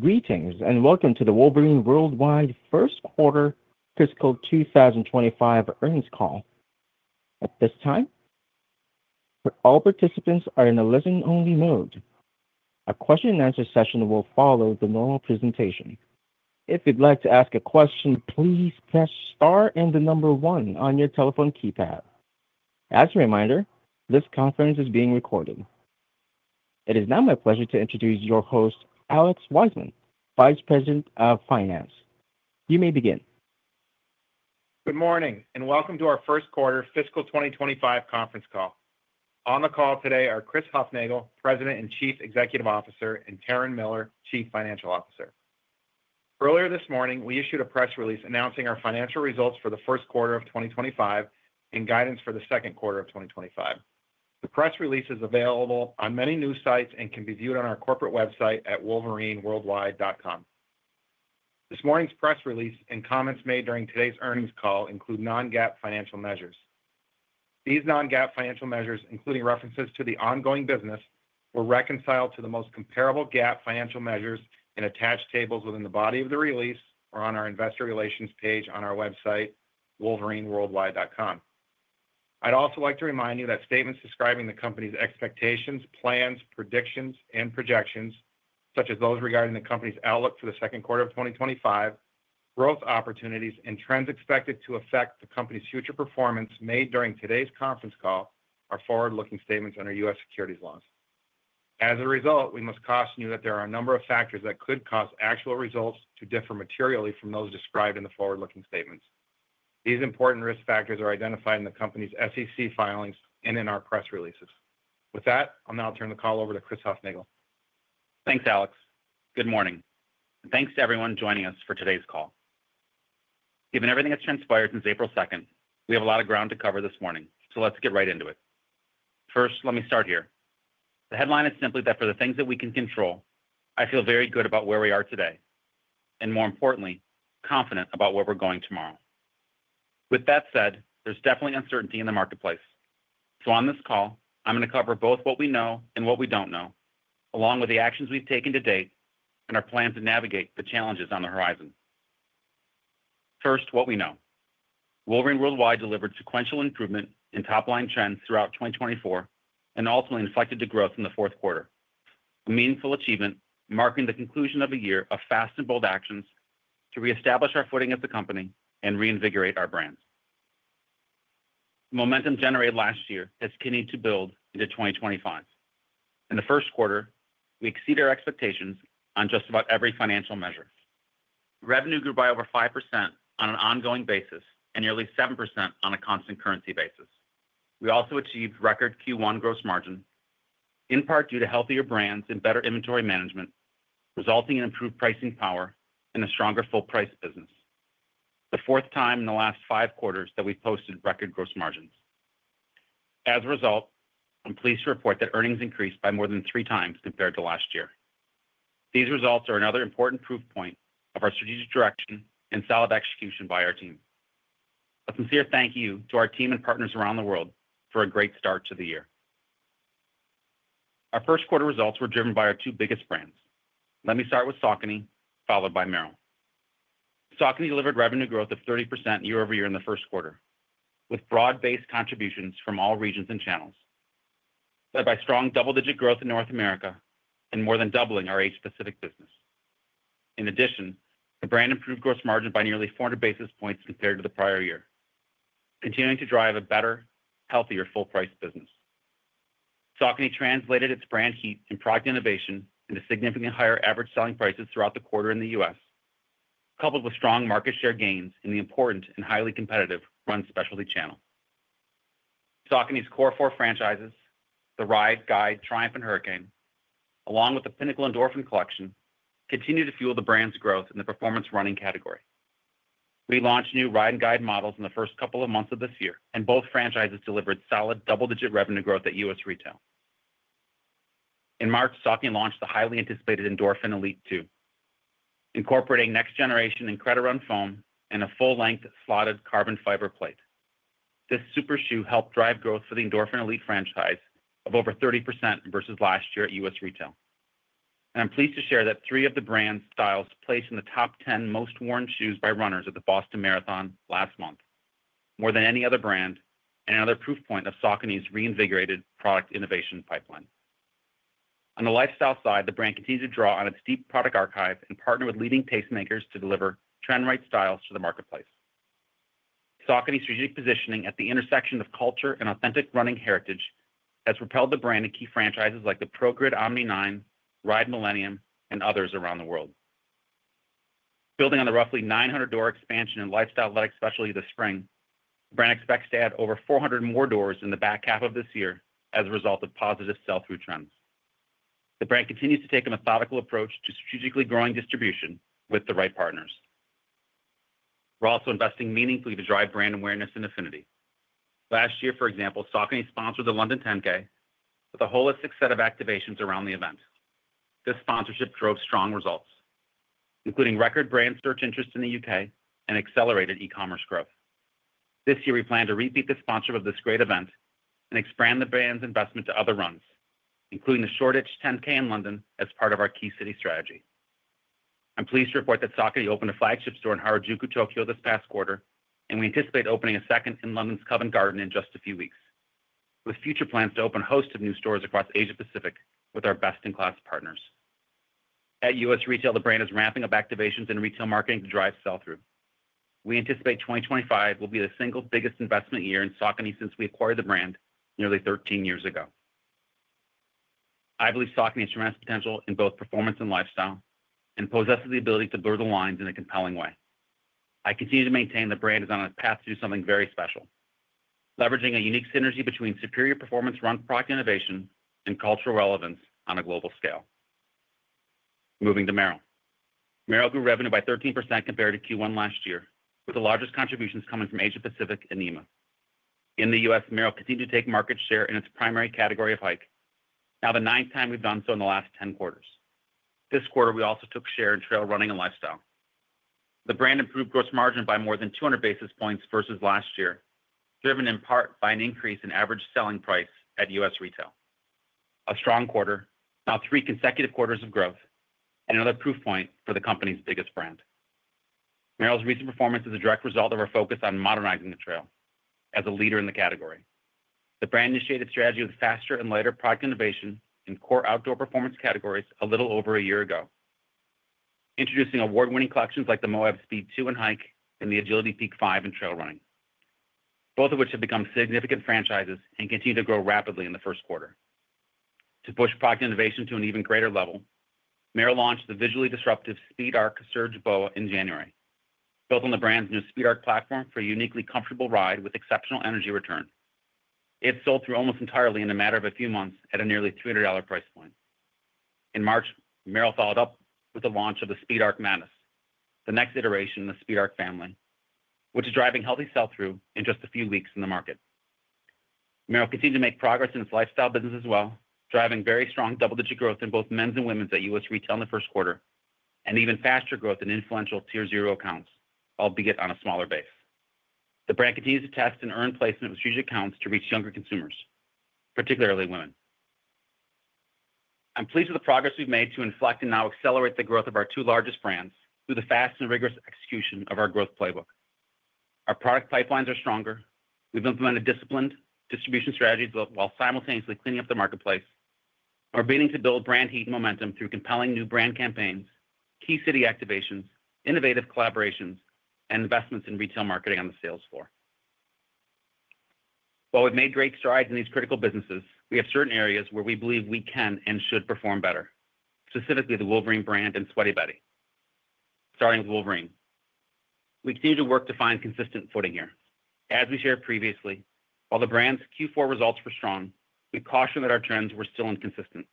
Greetings and welcome to the Wolverine World Wide first quarter fiscal 2025 earnings call. At this time, all participants are in a listen-only mode. A question-and-answer session will follow the normal presentation. If you'd like to ask a question, please press star and the number one on your telephone keypad. As a reminder, this conference is being recorded. It is now my pleasure to introduce your host, Alex Wiseman, Vice President of Finance. You may begin. Good morning and welcome to our first quarter fiscal 2025 conference call. On the call today are Chris Hufnagel, President and Chief Executive Officer, and Taryn Miller, Chief Financial Officer. Earlier this morning, we issued a press release announcing our financial results for the first quarter of 2025 and guidance for the second quarter of 2025. The press release is available on many news sites and can be viewed on our corporate website at wolverineworldwide.com. This morning's press release and comments made during today's earnings call include non-GAAP financial measures. These non-GAAP financial measures, including references to the ongoing business, were reconciled to the most comparable GAAP financial measures in attached tables within the body of the release or on our Investor Relations page on our website, wolverineworldwide.com. I'd also like to remind you that statements describing the company's expectations, plans, predictions, and projections, such as those regarding the company's outlook for the second quarter of 2025, growth opportunities, and trends expected to affect the company's future performance made during today's conference call, are forward-looking statements under U.S. securities laws. As a result, we must caution you that there are a number of factors that could cause actual results to differ materially from those described in the forward-looking statements. These important risk factors are identified in the company's SEC filings and in our press releases. With that, I'll now turn the call over to Chris Hufnagel. Thanks, Alex. Good morning. Thanks to everyone joining us for today's call. Given everything that's transpired since April 2nd, we have a lot of ground to cover this morning, so let's get right into it. First, let me start here. The headline is simply that for the things that we can control, I feel very good about where we are today, and more importantly, confident about where we're going tomorrow. With that said, there's definitely uncertainty in the marketplace, so on this call, I'm going to cover both what we know and what we don't know, along with the actions we've taken to date and our plan to navigate the challenges on the horizon. First, what we know. Wolverine World Wide delivered sequential improvement in top-line trends throughout 2024 and ultimately inflected the growth in the fourth quarter, a meaningful achievement marking the conclusion of a year of fast and bold actions to reestablish our footing as a company and reinvigorate our brand. The momentum generated last year has continued to build into 2025. In the first quarter, we exceeded our expectations on just about every financial measure. Revenue grew by over 5% on an ongoing basis and nearly 7% on a constant currency basis. We also achieved record Q1 gross margin, in part due to healthier brands and better inventory management, resulting in improved pricing power and a stronger full-price business, the fourth time in the last five quarters that we posted record gross margins. As a result, I'm pleased to report that earnings increased by more than three times compared to last year. These results are another important proof point of our strategic direction and solid execution by our team. A sincere thank you to our team and partners around the world for a great start to the year. Our first quarter results were driven by our two biggest brands. Let me start with Saucony, followed by Merrell. Saucony delivered revenue growth of 30% year-over-year in the first quarter, with broad-based contributions from all regions and channels, led by strong double-digit growth in North America and more than doubling our Asia-Pacific business. In addition, the brand improved gross margin by nearly 400 basis points compared to the prior year, continuing to drive a better, healthier full-price business. Saucony translated its brand heat and product innovation into significantly higher average selling prices throughout the quarter in the U.S., coupled with strong market share gains in the important and highly competitive run specialty channel. Saucony's core four franchises, the Ride, Guide, Triumph, and Hurricane, along with the Pinnacle Endorphin collection, continue to fuel the brand's growth in the performance running category. We launched new Ride and Guide models in the first couple of months of this year, and both franchises delivered solid double-digit revenue growth at U.S. retail. In March, Saucony launched the highly anticipated Endorphin Elite 2, incorporating next-generation IncrediRun foam and a full-length slotted carbon fiber plate. This super shoe helped drive growth for the Endorphin Elite franchise of over 30% versus last year at U.S. retail. I'm pleased to share that three of the brand's styles placed in the top 10 most worn shoes by runners at the Boston Marathon last month, more than any other brand and another proof point of Saucony's reinvigorated product innovation pipeline. On the lifestyle side, the brand continues to draw on its deep product archive and partner with leading tastemakers to deliver trend-right styles to the marketplace. Saucony's strategic positioning at the intersection of culture and authentic running heritage has propelled the brand to key franchises like the Progrid Omni 9, Ride Millennium, and others around the world. Building on the roughly 900-door expansion in lifestyle-led specialty this spring, the brand expects to add over 400 more doors in the back half of this year as a result of positive sell-through trends. The brand continues to take a methodical approach to strategically growing distribution with the right partners. We're also investing meaningfully to drive brand awareness and affinity. Last year, for example, Saucony sponsored the London 10K with a holistic set of activations around the event. This sponsorship drove strong results, including record brand search interest in the U.K. and accelerated e-commerce growth. This year, we plan to repeat the sponsorship of this great event and expand the brand's investment to other runs, including the Shoreditch 10K in London as part of our Key City strategy. I'm pleased to report that Saucony opened a flagship store in Harajuku, Tokyo, this past quarter, and we anticipate opening a second in London's Covent Garden in just a few weeks, with future plans to open a host of new stores across Asia-Pacific with our best-in-class partners. At U.S. retail, the brand is ramping up activations and retail marketing to drive sell-through. We anticipate 2025 will be the single biggest investment year in Saucony since we acquired the brand nearly 13 years ago. I believe Saucony has tremendous potential in both performance and lifestyle and possesses the ability to blur the lines in a compelling way. I continue to maintain the brand is on a path to do something very special, leveraging a unique synergy between superior performance run product innovation and cultural relevance on a global scale. Moving to Merrell. Merrell grew revenue by 13% compared to Q1 last year, with the largest contributions coming from Asia-Pacific and EMEA. In the U.S., Merrell continued to take market share in its primary category of hike, now the ninth time we've done so in the last 10 quarters. This quarter, we also took share in trail running and lifestyle. The brand improved gross margin by more than 200 basis points versus last year, driven in part by an increase in average selling price at U.S. retail. A strong quarter, now three consecutive quarters of growth, and another proof point for the company's biggest brand. Merrell's recent performance is a direct result of our focus on modernizing the trail as a leader in the category. The brand initiated strategy with faster and lighter product innovation in core outdoor performance categories a little over a year ago, introducing award-winning collections like the Moab Speed 2 and Hike and the Agility Peak 5 in trail running, both of which have become significant franchises and continue to grow rapidly in the first quarter. To push product innovation to an even greater level, Merrell launched the visually disruptive SpeedARC Surge BOA in January, built on the brand's new SpeedARC platform for a uniquely comfortable ride with exceptional energy return. It sold through almost entirely in a matter of a few months at a nearly $300 price point. In March, Merrell followed up with the launch of the SpeedARC Matis, the next iteration in the SpeedARC family, which is driving healthy sell-through in just a few weeks in the market. Merrell continued to make progress in its lifestyle business as well, driving very strong double-digit growth in both men's and women's at U.S. retail in the first quarter and even faster growth in influential Tier 0 accounts, albeit on a smaller base. The brand continues to test and earn placement with strategic accounts to reach younger consumers, particularly women. I'm pleased with the progress we've made to inflect and now accelerate the growth of our two largest brands through the fast and rigorous execution of our growth playbook. Our product pipelines are stronger. We've implemented disciplined distribution strategies while simultaneously cleaning up the marketplace. We're beginning to build brand heat and momentum through compelling new brand campaigns, key city activations, innovative collaborations, and investments in retail marketing on the sales floor. While we've made great strides in these critical businesses, we have certain areas where we believe we can and should perform better, specifically the Wolverine brand and Sweaty Betty. Starting with Wolverine, we continue to work to find consistent footing here. As we shared previously, while the brand's Q4 results were strong, we cautioned that our trends were still inconsistent,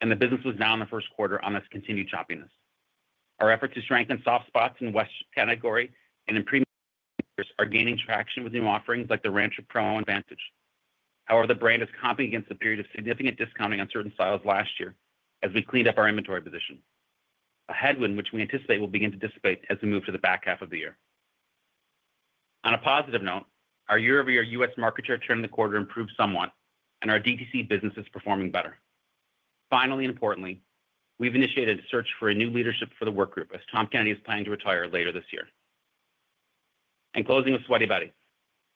and the business was down the first quarter on this continued choppiness. Our efforts to strengthen soft spots in the West category and in premium are gaining traction with new offerings like the Rancher PromoAdvantage. However, the brand is comping against a period of significant discounting on certain styles last year as we cleaned up our inventory position, a headwind which we anticipate will begin to dissipate as we move to the back half of the year. On a positive note, our year-over-year U.S. market share turned the quarter improved somewhat, and our DTC business is performing better. Finally, and importantly, we've initiated a search for new leadership for the work group as Tom Kennedy is planning to retire later this year. In closing with Sweaty Betty,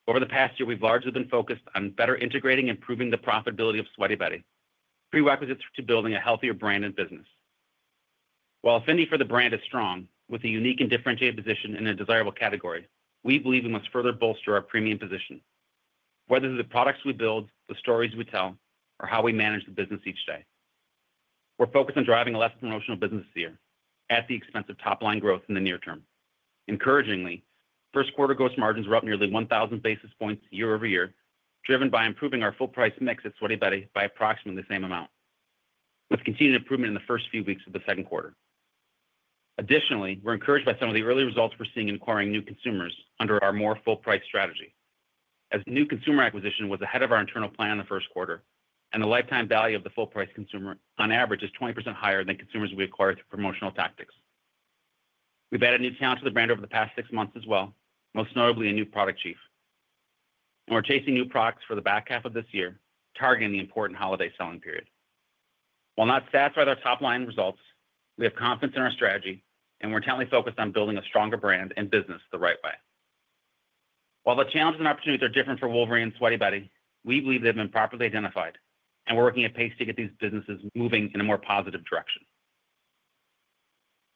over the past year, we've largely been focused on better integrating and improving the profitability of Sweaty Betty, prerequisites to building a healthier brand and business. While affinity for the brand is strong, with a unique and differentiated position in a desirable category, we believe we must further bolster our premium position, whether through the products we build, the stories we tell, or how we manage the business each day. We're focused on driving a less promotional business this year at the expense of top-line growth in the near term. Encouragingly, first quarter gross margins were up nearly 1,000 basis points year-over-year, driven by improving our full-price mix at Sweaty Betty by approximately the same amount, with continued improvement in the first few weeks of the second quarter. Additionally, we're encouraged by some of the early results we're seeing in acquiring new consumers under our more full-price strategy, as new consumer acquisition was ahead of our internal plan in the first quarter, and the lifetime value of the full-price consumer on average is 20% higher than consumers we acquire through promotional tactics. We've added new talent to the brand over the past six months as well, most notably a new product chief, and we're chasing new products for the back half of this year, targeting the important holiday selling period. While not satisfied with our top-line results, we have confidence in our strategy, and we're intently focused on building a stronger brand and business the right way. While the challenges and opportunities are different for Wolverine and Sweaty Betty, we believe they've been properly identified, and we're working at pace to get these businesses moving in a more positive direction.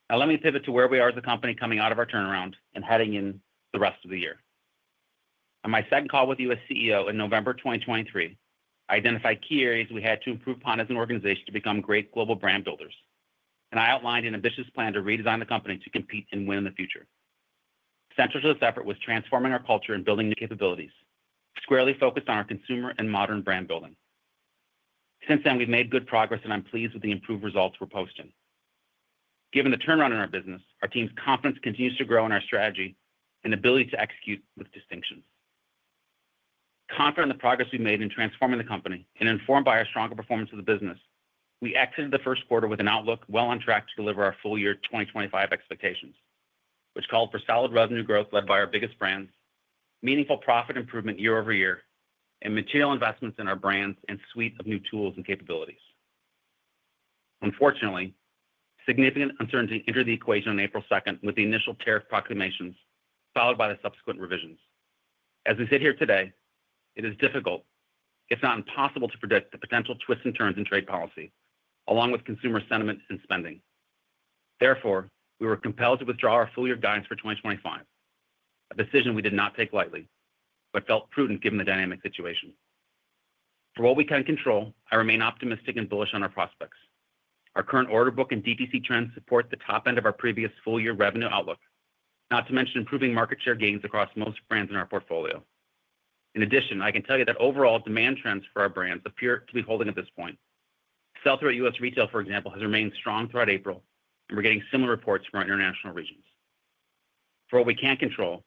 Now, let me pivot to where we are as a company coming out of our turnaround and heading in the rest of the year. On my second call with U.S. CEO in November 2023, I identified key areas we had to improve upon as an organization to become great global brand builders, and I outlined an ambitious plan to redesign the company to compete and win in the future. Central to this effort was transforming our culture and building new capabilities, squarely focused on our consumer and modern brand building. Since then, we've made good progress, and I'm pleased with the improved results we're posting. Given the turnaround in our business, our team's confidence continues to grow in our strategy and ability to execute with distinction. Confident in the progress we've made in transforming the company and informed by our stronger performance of the business, we exited the first quarter with an outlook well on track to deliver our full year 2025 expectations, which called for solid revenue growth led by our biggest brands, meaningful profit improvement year over year, and material investments in our brands and suite of new tools and capabilities. Unfortunately, significant uncertainty entered the equation on April 2nd with the initial tariff proclamations, followed by the subsequent revisions. As we sit here today, it is difficult, if not impossible, to predict the potential twists and turns in trade policy, along with consumer sentiment and spending. Therefore, we were compelled to withdraw our full year guidance for 2025, a decision we did not take lightly, but felt prudent given the dynamic situation. For what we can control, I remain optimistic and bullish on our prospects. Our current order book and DTC trends support the top end of our previous full year revenue outlook, not to mention improving market share gains across most brands in our portfolio. In addition, I can tell you that overall demand trends for our brands appear to be holding at this point. Sell-through at U.S. retail, for example, has remained strong throughout April, and we're getting similar reports from our international regions. For what we can control,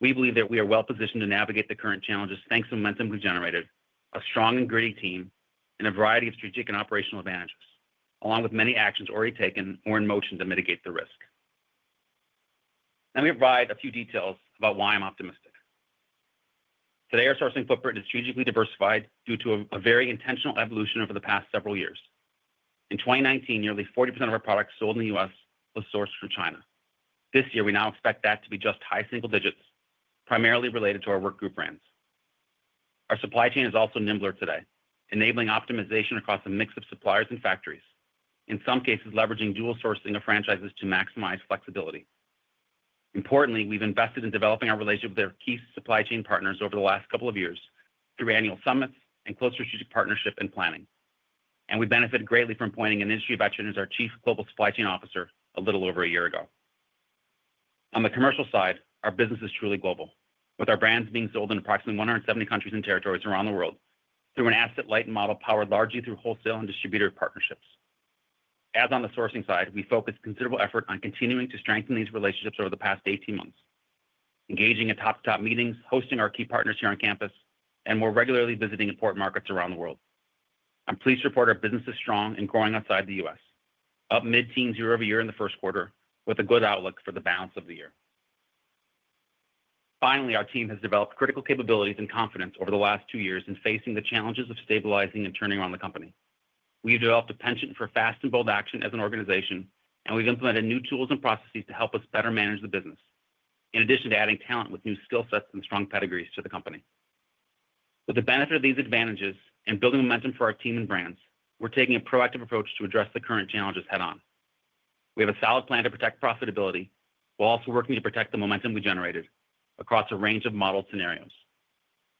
we believe that we are well positioned to navigate the current challenges thanks to momentum we've generated, a strong and gritty team, and a variety of strategic and operational advantages, along with many actions already taken or in motion to mitigate the risk. Let me provide a few details about why I'm optimistic. Today, our sourcing footprint is strategically diversified due to a very intentional evolution over the past several years. In 2019, nearly 40% of our products sold in the U.S. was sourced from China. This year, we now expect that to be just high single digits, primarily related to our work group brands. Our supply chain is also nimble today, enabling optimization across a mix of suppliers and factories, in some cases leveraging dual sourcing of franchises to maximize flexibility. Importantly, we've invested in developing our relationship with our key supply chain partners over the last couple of years through annual summits and close strategic partnership and planning, and we benefited greatly from appointing an industry veteran as our Chief Global Supply Chain Officer a little over a year ago. On the commercial side, our business is truly global, with our brands being sold in approximately 170 countries and territories around the world through an asset-light model powered largely through wholesale and distributor partnerships. As on the sourcing side, we focused considerable effort on continuing to strengthen these relationships over the past 18 months, engaging in top-to-top meetings, hosting our key partners here on campus, and more regularly visiting important markets around the world. I'm pleased to report our business is strong and growing outside the U.S., up mid-teens year-over-year in the first quarter, with a good outlook for the balance of the year. Finally, our team has developed critical capabilities and confidence over the last two years in facing the challenges of stabilizing and turning around the company. We've developed a penchant for fast and bold action as an organization, and we've implemented new tools and processes to help us better manage the business, in addition to adding talent with new skill sets and strong pedigrees to the company. With the benefit of these advantages and building momentum for our team and brands, we're taking a proactive approach to address the current challenges head-on. We have a solid plan to protect profitability while also working to protect the momentum we generated across a range of modeled scenarios.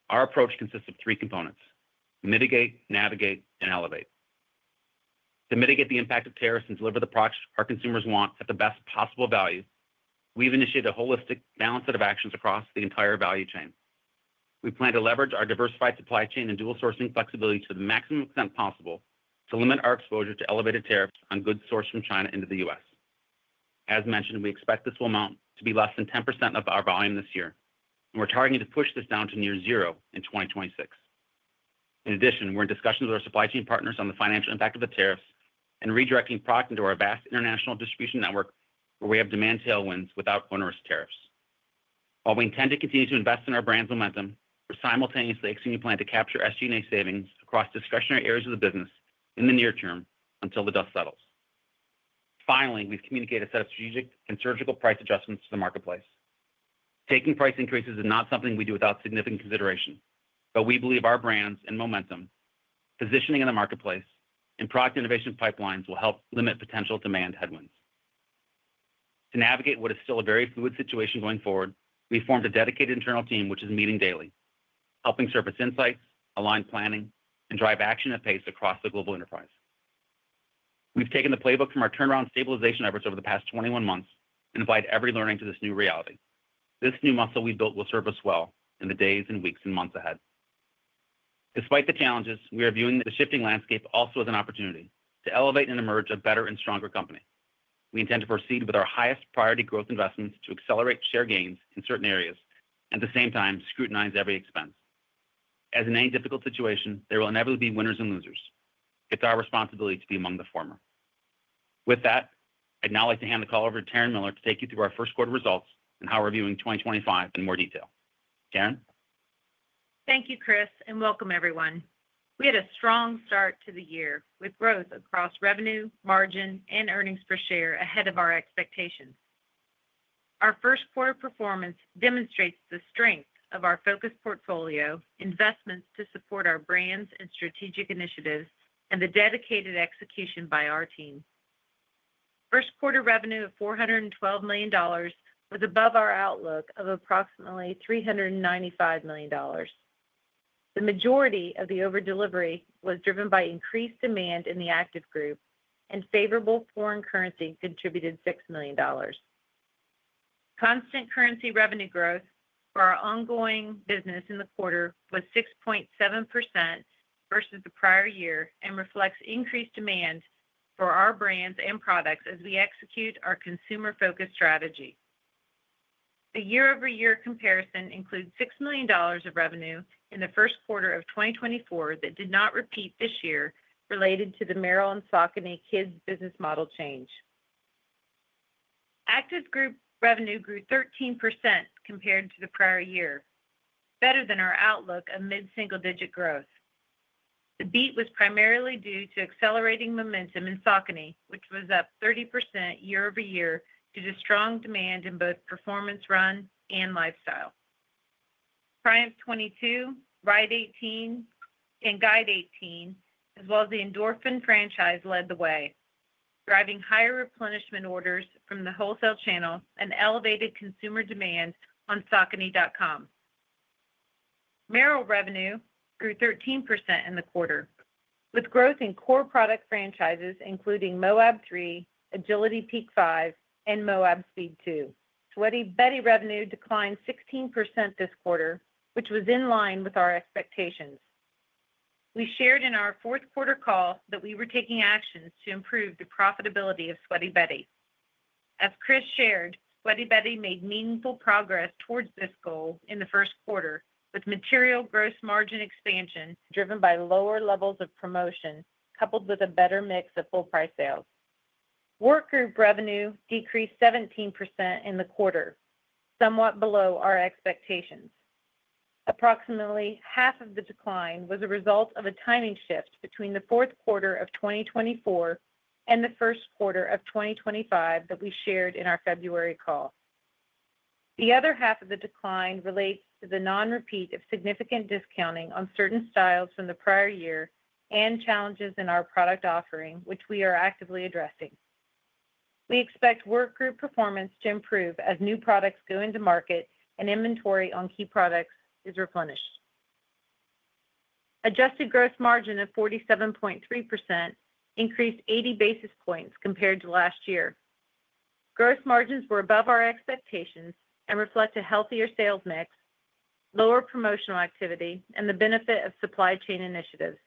Our approach consists of three components: mitigate, navigate, and elevate. To mitigate the impact of tariffs and deliver the products our consumers want at the best possible value, we have initiated a holistic balanced set of actions across the entire value chain. We plan to leverage our diversified supply chain and dual sourcing flexibility to the maximum extent possible to limit our exposure to elevated tariffs on goods sourced from China into the U.S. As mentioned, we expect this will amount to be less than 10% of our volume this year, and we are targeting to push this down to near zero in 2026. In addition, we are in discussions with our supply chain partners on the financial impact of the tariffs and redirecting product into our vast international distribution network where we have demand tailwinds without onerous tariffs. While we intend to continue to invest in our brand's momentum, we're simultaneously executing a plan to capture SG&A savings across discretionary areas of the business in the near term until the dust settles. Finally, we've communicated a set of strategic and surgical price adjustments to the marketplace. Taking price increases is not something we do without significant consideration, but we believe our brands and momentum, positioning in the marketplace, and product innovation pipelines will help limit potential demand headwinds. To navigate what is still a very fluid situation going forward, we formed a dedicated internal team, which is meeting daily, helping surface insights, align planning, and drive action at pace across the global enterprise. We've taken the playbook from our turnaround stabilization efforts over the past 21 months and applied every learning to this new reality. This new muscle we built will serve us well in the days and weeks and months ahead. Despite the challenges, we are viewing the shifting landscape also as an opportunity to elevate and emerge a better and stronger company. We intend to proceed with our highest priority growth investments to accelerate share gains in certain areas and at the same time scrutinize every expense. As in any difficult situation, there will inevitably be winners and losers. It is our responsibility to be among the former. With that, I would now like to hand the call over to Taryn Miller to take you through our first quarter results and how we are viewing 2025 in more detail. Taryn? Thank you, Chris, and welcome, everyone. We had a strong start to the year with growth across revenue, margin, and earnings per share ahead of our expectations. Our first quarter performance demonstrates the strength of our focused portfolio, investments to support our brands and strategic initiatives, and the dedicated execution by our team. First quarter revenue of $412 million was above our outlook of approximately $395 million. The majority of the overdelivery was driven by increased demand in the active group, and favorable foreign currency contributed $6 million. Constant currency revenue growth for our ongoing business in the quarter was 6.7% versus the prior year and reflects increased demand for our brands and products as we execute our consumer-focused strategy. The year-over-year comparison includes $6 million of revenue in the first quarter of 2023 that did not repeat this year related to the Merrell & Saucony Kids business model change. Active group revenue grew 13% compared to the prior year, better than our outlook of mid-single-digit growth. The beat was primarily due to accelerating momentum in Saucony, which was up 30% year-over-year due to strong demand in both performance run and lifestyle. Triumph 22, Ride 18, and Guide 18, as well as the Endorphin franchise, led the way, driving higher replenishment orders from the wholesale channel and elevated consumer demand on saucony.com. Merrell revenue grew 13% in the quarter, with growth in core product franchises including Moab 3, Agility Peak 5, and Moab Speed 2. Sweaty Betty revenue declined 16% this quarter, which was in line with our expectations. We shared in our fourth quarter call that we were taking actions to improve the profitability of Sweaty Betty. As Chris shared, Sweaty Betty made meaningful progress towards this goal in the first quarter with material gross margin expansion driven by lower levels of promotion coupled with a better mix of full-price sales. Work group revenue decreased 17% in the quarter, somewhat below our expectations. Approximately half of the decline was a result of a timing shift between the fourth quarter of 2024 and the first quarter of 2025 that we shared in our February call. The other half of the decline relates to the non-repeat of significant discounting on certain styles from the prior year and challenges in our product offering, which we are actively addressing. We expect work group performance to improve as new products go into market and inventory on key products is replenished. Adjusted gross margin of 47.3% increased 80 basis points compared to last year. Gross margins were above our expectations and reflect a healthier sales mix, lower promotional activity, and the benefit of supply chain initiatives.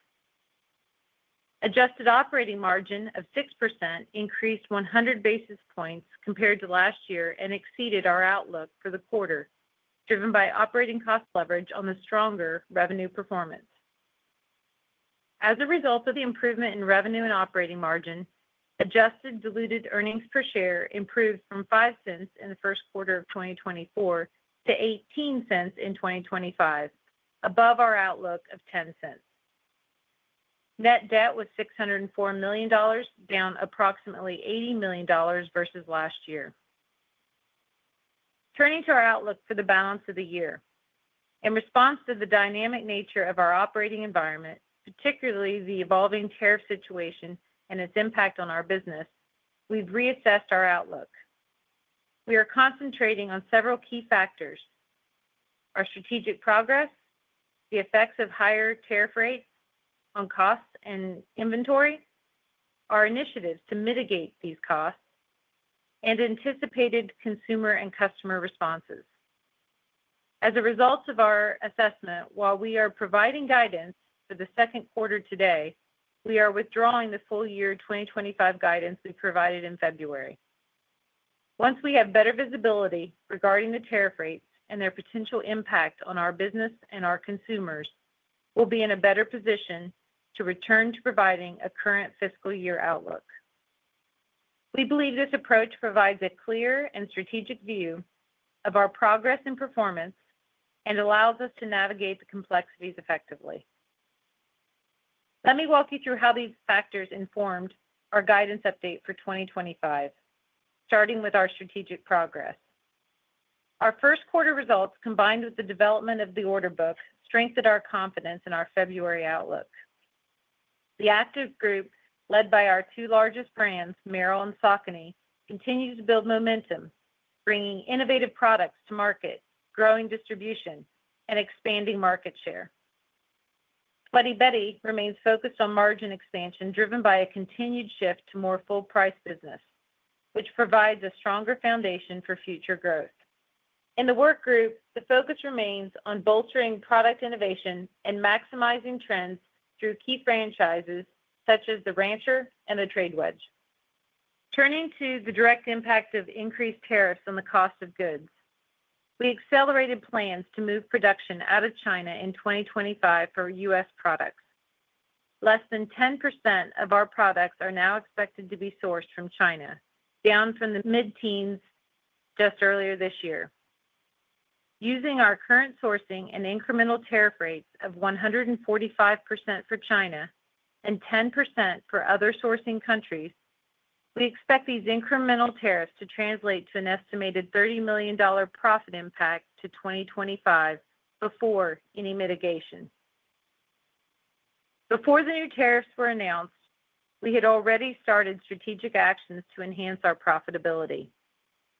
Adjusted operating margin of 6% increased 100 basis points compared to last year and exceeded our outlook for the quarter, driven by operating cost leverage on the stronger revenue performance. As a result of the improvement in revenue and operating margin, adjusted diluted earnings per share improved from $0.05 in the first quarter of 2024 to $0.18 in 2025, above our outlook of $0.10. Net debt was $604 million, down approximately $80 million versus last year. Turning to our outlook for the balance of the year, in response to the dynamic nature of our operating environment, particularly the evolving tariff situation and its impact on our business, we have reassessed our outlook. We are concentrating on several key factors: our strategic progress, the effects of higher tariff rates on costs and inventory, our initiatives to mitigate these costs, and anticipated consumer and customer responses. As a result of our assessment, while we are providing guidance for the second quarter today, we are withdrawing the full year 2025 guidance we provided in February. Once we have better visibility regarding the tariff rates and their potential impact on our business and our consumers, we will be in a better position to return to providing a current fiscal year outlook. We believe this approach provides a clear and strategic view of our progress and performance and allows us to navigate the complexities effectively. Let me walk you through how these factors informed our guidance update for 2025, starting with our strategic progress. Our first quarter results, combined with the development of the order book, strengthened our confidence in our February outlook. The active group, led by our two largest brands, Merrell and Saucony, continues to build momentum, bringing innovative products to market, growing distribution, and expanding market share. Sweaty Betty remains focused on margin expansion driven by a continued shift to more full-price business, which provides a stronger foundation for future growth. In the work group, the focus remains on bolstering product innovation and maximizing trends through key franchises such as the Rancher and the Trade Wedge. Turning to the direct impact of increased tariffs on the cost of goods, we accelerated plans to move production out of China in 2025 for U.S. products. Less than 10% of our products are now expected to be sourced from China, down from the mid-teens just earlier this year. Using our current sourcing and incremental tariff rates of 145% for China and 10% for other sourcing countries, we expect these incremental tariffs to translate to an estimated $30 million profit impact to 2025 before any mitigation. Before the new tariffs were announced, we had already started strategic actions to enhance our profitability.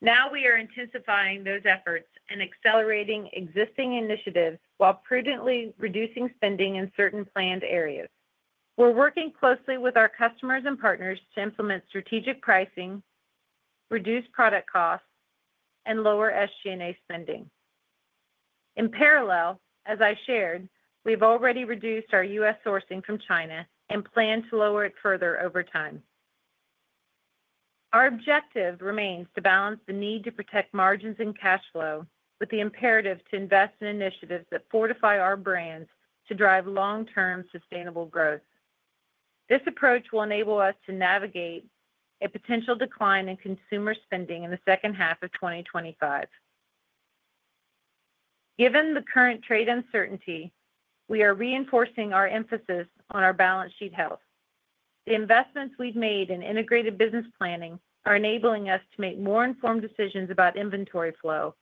Now we are intensifying those efforts and accelerating existing initiatives while prudently reducing spending in certain planned areas. We're working closely with our customers and partners to implement strategic pricing, reduce product costs, and lower SG&A spending. In parallel, as I shared, we've already reduced our U.S. sourcing from China and plan to lower it further over time. Our objective remains to balance the need to protect margins and cash flow with the imperative to invest in initiatives that fortify our brands to drive long-term sustainable growth. This approach will enable us to navigate a potential decline in consumer spending in the second half of 2025. Given the current trade uncertainty, we are reinforcing our emphasis on our balance sheet health. The investments we've made in integrated business planning are enabling us to make more informed decisions about inventory flow,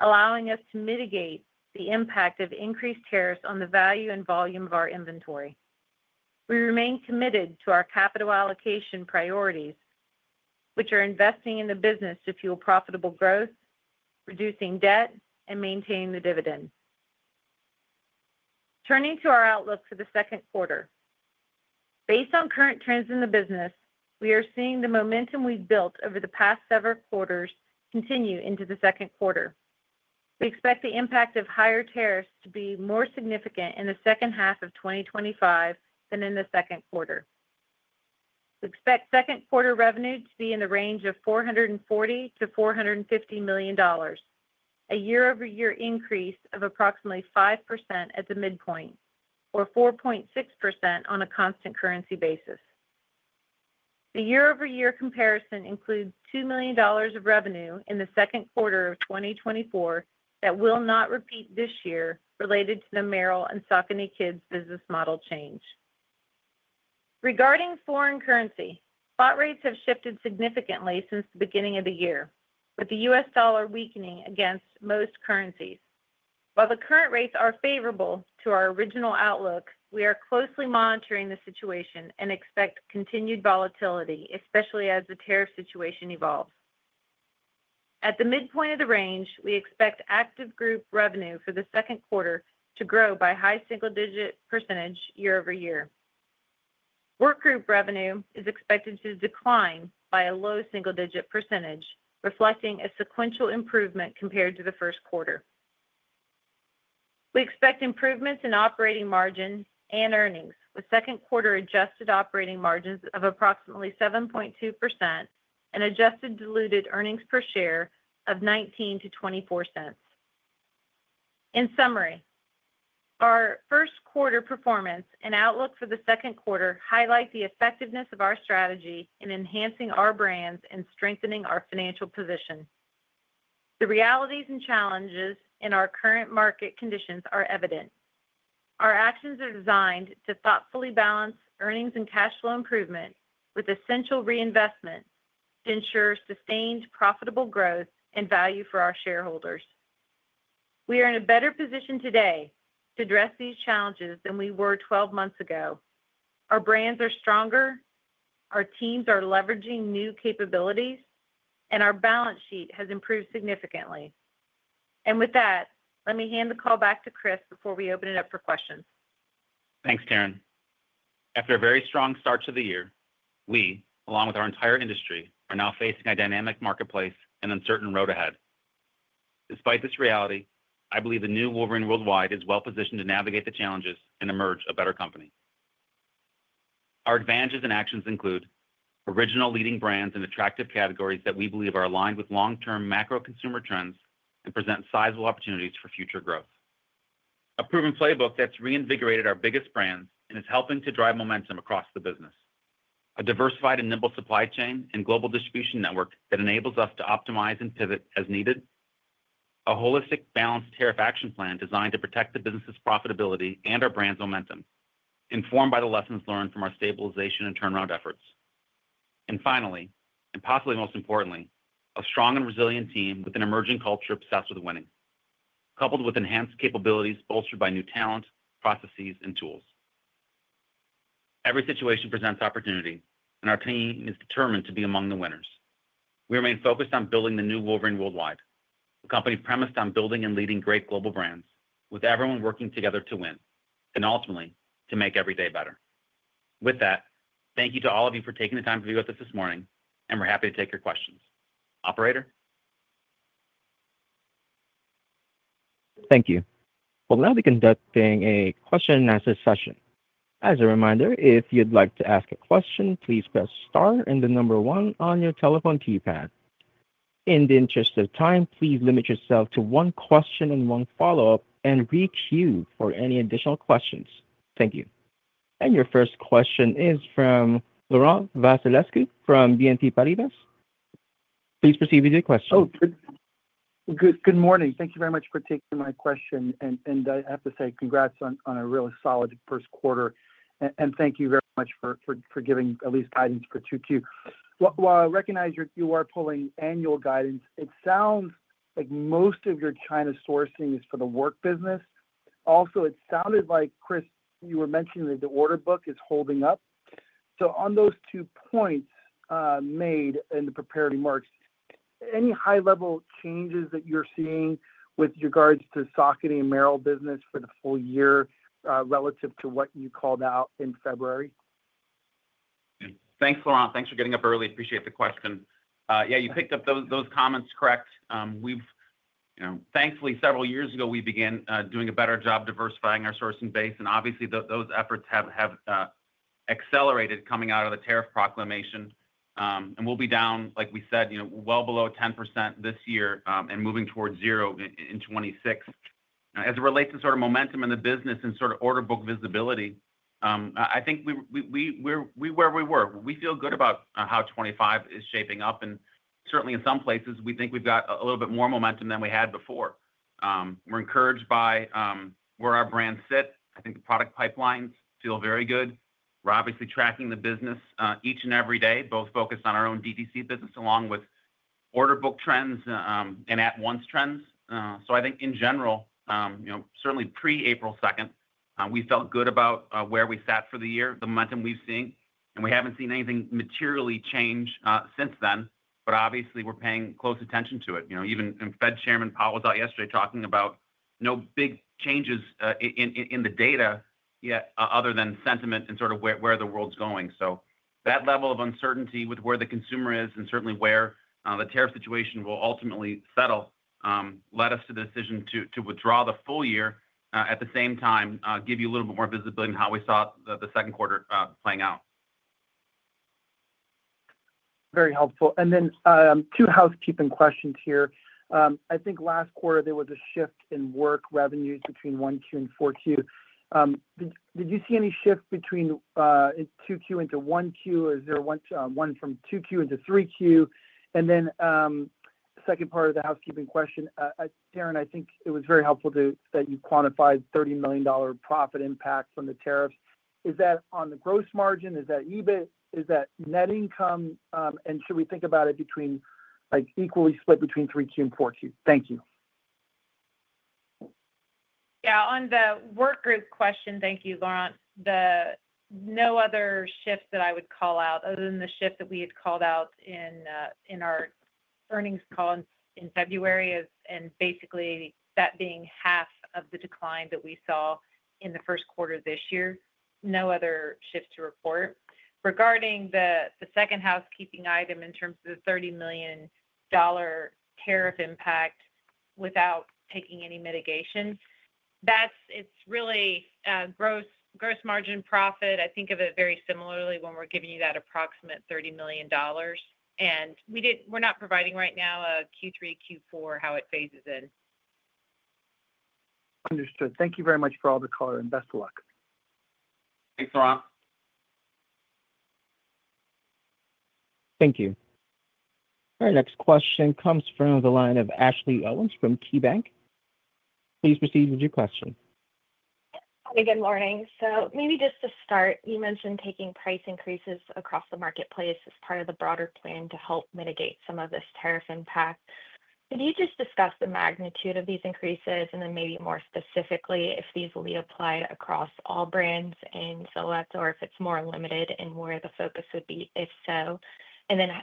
allowing us to mitigate the impact of increased tariffs on the value and volume of our inventory. We remain committed to our capital allocation priorities, which are investing in the business to fuel profitable growth, reducing debt, and maintaining the dividend. Turning to our outlook for the second quarter, based on current trends in the business, we are seeing the momentum we've built over the past several quarters continue into the second quarter. We expect the impact of higher tariffs to be more significant in the second half of 2025 than in the second quarter. We expect second quarter revenue to be in the range of $440 million-$450 million, a year-over-year increase of approximately 5% at the midpoint, or 4.6% on a constant currency basis. The year-over-year comparison includes $2 million of revenue in the second quarter of 2024 that will not repeat this year related to the Merrell and Saucony Kids business model change. Regarding foreign currency, spot rates have shifted significantly since the beginning of the year, with the U.S. dollar weakening against most currencies. While the current rates are favorable to our original outlook, we are closely monitoring the situation and expect continued volatility, especially as the tariff situation evolves. At the midpoint of the range, we expect active group revenue for the second quarter to grow by high single-digit percentage year-over-year. Work group revenue is expected to decline by a low single-digit percentage, reflecting a sequential improvement compared to the first quarter. We expect improvements in operating margin and earnings, with second quarter adjusted operating margins of approximately 7.2% and adjusted diluted earnings per share of $0.19-$0.24. In summary, our first quarter performance and outlook for the second quarter highlight the effectiveness of our strategy in enhancing our brands and strengthening our financial position. The realities and challenges in our current market conditions are evident. Our actions are designed to thoughtfully balance earnings and cash flow improvement with essential reinvestment to ensure sustained profitable growth and value for our shareholders. We are in a better position today to address these challenges than we were 12 months ago. Our brands are stronger, our teams are leveraging new capabilities, and our balance sheet has improved significantly. Let me hand the call back to Chris before we open it up for questions. Thanks, Taryn. After a very strong start to the year, we, along with our entire industry, are now facing a dynamic marketplace and uncertain road ahead. Despite this reality, I believe the new Wolverine World Wide is well positioned to navigate the challenges and emerge a better company. Our advantages and actions include original leading brands and attractive categories that we believe are aligned with long-term macro consumer trends and present sizable opportunities for future growth. A proven playbook that is reinvigorated our biggest brands and is helping to drive momentum across the business. A diversified and nimble supply chain and global distribution network that enables us to optimize and pivot as needed. A holistic, balanced tariff action plan designed to protect the business's profitability and our brand's momentum, informed by the lessons learned from our stabilization and turnaround efforts. Finally, and possibly most importantly, a strong and resilient team with an emerging culture obsessed with winning, coupled with enhanced capabilities bolstered by new talent, processes, and tools. Every situation presents opportunity, and our team is determined to be among the winners. We remain focused on building the new Wolverine World Wide, a company premised on building and leading great global brands, with everyone working together to win and ultimately to make every day better. With that, thank you to all of you for taking the time to be with us this morning, and we're happy to take your questions. Operator? Thank you. We'll now be conducting a question-and-answer session. As a reminder, if you'd like to ask a question, please press star and the number one on your telephone keypad. In the interest of time, please limit yourself to one question and one follow-up and re-queue for any additional questions. Thank you. Your first question is from Laurent Vasilescu from BNP Paribas. Please proceed with your question. Oh, good morning. Thank you very much for taking my question. I have to say, congrats on a really solid first quarter. Thank you very much for giving at least guidance for 2Q. While I recognize you are pulling annual guidance, it sounds like most of your China sourcing is for the work business. Also, it sounded like, Chris, you were mentioning that the order book is holding up. On those two points made in the prepared remarks, any high-level changes that you're seeing with regards to Saucony and Merrell business for the full year relative to what you called out in February? Thanks, Laurent. Thanks for getting up early. Appreciate the question. Yeah, you picked up those comments correct. Thankfully, several years ago, we began doing a better job diversifying our sourcing base. Obviously, those efforts have accelerated coming out of the tariff proclamation. We will be down, like we said, well below 10% this year and moving towards zero in 2026. As it relates to sort of momentum in the business and sort of order book visibility, I think we are where we were. We feel good about how 2025 is shaping up. Certainly, in some places, we think we have got a little bit more momentum than we had before. We are encouraged by where our brands sit. I think the product pipelines feel very good. We are obviously tracking the business each and every day, both focused on our own DTC business along with order book trends and at-once trends. I think, in general, certainly pre-April 2nd, we felt good about where we sat for the year, the momentum we have seen. We have not seen anything materially change since then, but obviously, we are paying close attention to it. Even Fed Chairman Powell was out yesterday talking about no big changes in the data yet other than sentiment and sort of where the world's going. That level of uncertainty with where the consumer is and certainly where the tariff situation will ultimately settle led us to the decision to withdraw the full year at the same time, give you a little bit more visibility on how we saw the second quarter playing out. Very helpful. Two housekeeping questions here. I think last quarter, there was a shift in work revenues between 1Q and 4Q. Did you see any shift between 2Q into 1Q? Is there one from 2Q into 3Q? Second part of the housekeeping question, Taryn, I think it was very helpful that you quantified $30 million profit impact from the tariffs. Is that on the gross margin? Is that EBIT? Is that net income? And should we think about it equally split between 3Q and 4Q? Thank you. Yeah, on the work group question, thank you, Laurent. No other shift that I would call out other than the shift that we had called out in our earnings call in February and basically that being half of the decline that we saw in the first quarter of this year. No other shift to report. Regarding the second housekeeping item in terms of the $30 million tariff impact without taking any mitigation, it's really gross margin profit. I think of it very similarly when we're giving you that approximate $30 million. And we're not providing right now a Q3, Q4, how it phases in. Understood. Thank you very much for all the color and best of luck. Thanks, Laurent. Thank you. Our next question comes from the line of Ashley Owens from KeyBanc. Please proceed with your question. Hi, good morning. Maybe just to start, you mentioned taking price increases across the marketplace as part of the broader plan to help mitigate some of this tariff impact. Could you just discuss the magnitude of these increases and then maybe more specifically if these will be applied across all brands and sell outs or if it is more limited and where the focus would be if so?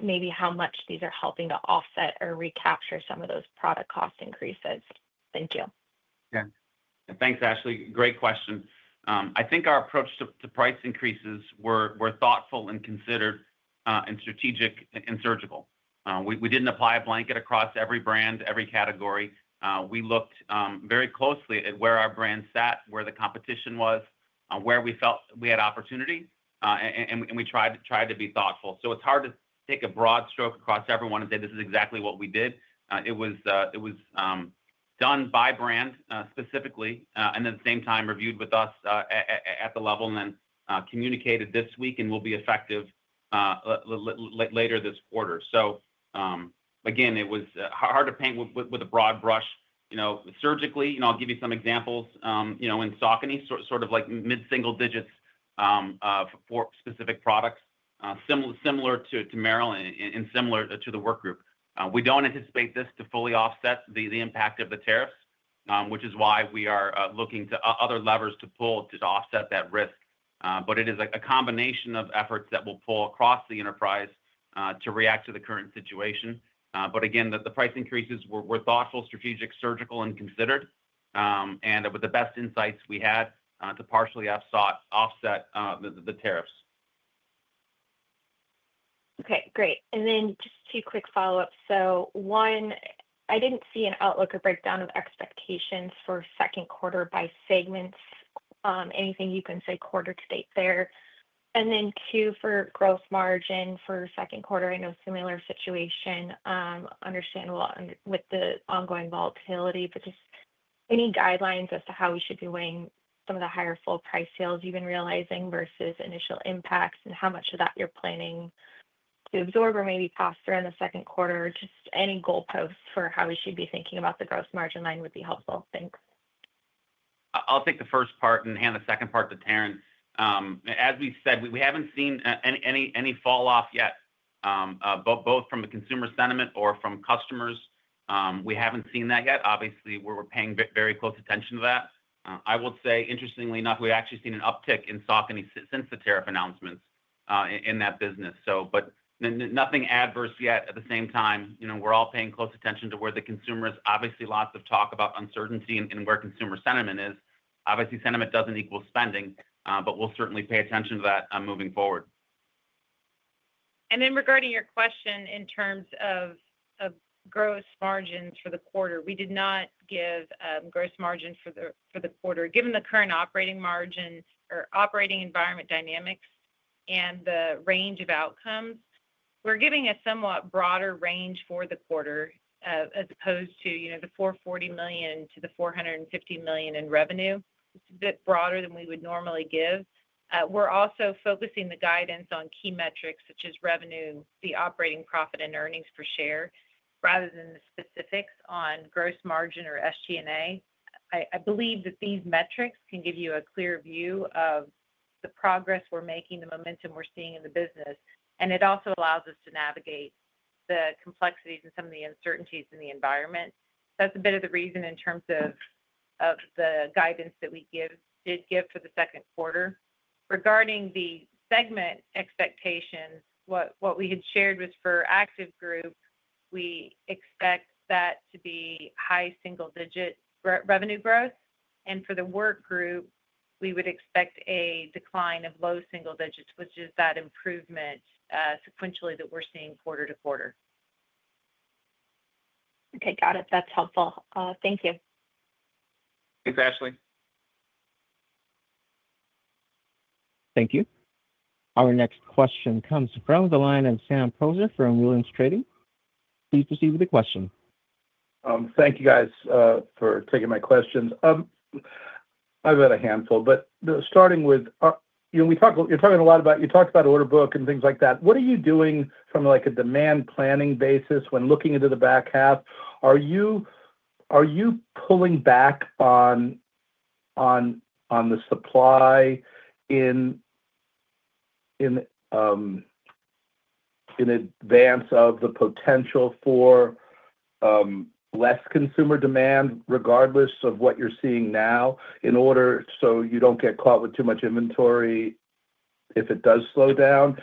Maybe how much these are helping to offset or recapture some of those product cost increases. Thank you. Yeah. Thanks, Ashley. Great question. I think our approach to price increases was thoughtful and considered and strategic and surgical. We did not apply a blanket across every brand, every category. We looked very closely at where our brand sat, where the competition was, where we felt we had opportunity, and we tried to be thoughtful. It's hard to take a broad stroke across everyone and say, "This is exactly what we did." It was done by brand specifically and at the same time reviewed with us at the level and then communicated this week and will be effective later this quarter. Again, it was hard to paint with a broad brush. Surgically, I'll give you some examples in Saucony, sort of like mid-single digits for specific products similar to Merrell and similar to the work group. We don't anticipate this to fully offset the impact of the tariffs, which is why we are looking to other levers to pull to offset that risk. It is a combination of efforts that will pull across the enterprise to react to the current situation. The price increases were thoughtful, strategic, surgical, and considered. It was the best insights we had to partially offset the tariffs. Okay, great. Then just two quick follow-ups. One, I did not see an outlook or breakdown of expectations for second quarter by segments. Anything you can say quarter to date there. Two, for gross margin for second quarter, I know similar situation, understandable with the ongoing volatility, but just any guidelines as to how we should be weighing some of the higher full-price sales you have been realizing versus initial impacts and how much of that you are planning to absorb or maybe pass through in the second quarter. Just any goalposts for how we should be thinking about the gross margin line would be helpful. Thanks. I'll take the first part and hand the second part to Taryn. As we said, we haven't seen any falloff yet, both from the consumer sentiment or from customers. We haven't seen that yet. Obviously, we're paying very close attention to that. I will say, interestingly enough, we've actually seen an uptick in Saucony since the tariff announcements in that business. Nothing adverse yet. At the same time, we're all paying close attention to where the consumer is. Obviously, lots of talk about uncertainty and where consumer sentiment is. Obviously, sentiment doesn't equal spending, but we'll certainly pay attention to that moving forward. Regarding your question in terms of gross margins for the quarter, we did not give gross margin for the quarter. Given the current operating margin or operating environment dynamics and the range of outcomes, we're giving a somewhat broader range for the quarter as opposed to the $440 million-$450 million in revenue. It's a bit broader than we would normally give. We're also focusing the guidance on key metrics such as revenue, the operating profit and earnings per share, rather than the specifics on gross margin or SG&A. I believe that these metrics can give you a clear view of the progress we're making, the momentum we're seeing in the business. It also allows us to navigate the complexities and some of the uncertainties in the environment. That's a bit of the reason in terms of the guidance that we did give for the second quarter. Regarding the segment expectations, what we had shared was for active group, we expect that to be high single-digit revenue growth. For the work group, we would expect a decline of low single digits, which is that improvement sequentially that we're seeing quarter to quarter. Okay, got it. That's helpful. Thank you. Thanks, Ashley. Thank you. Our next question comes from the line of Sam Poser from Williams Trading. Please proceed with the question. Thank you, guys, for taking my questions. I've got a handful, but starting with, you're talking a lot about you talked about order book and things like that. What are you doing from a demand planning basis when looking into the back half? Are you pulling back on the supply in advance of the potential for less consumer demand, regardless of what you're seeing now, in order so you don't get caught with too much inventory if it does slow down?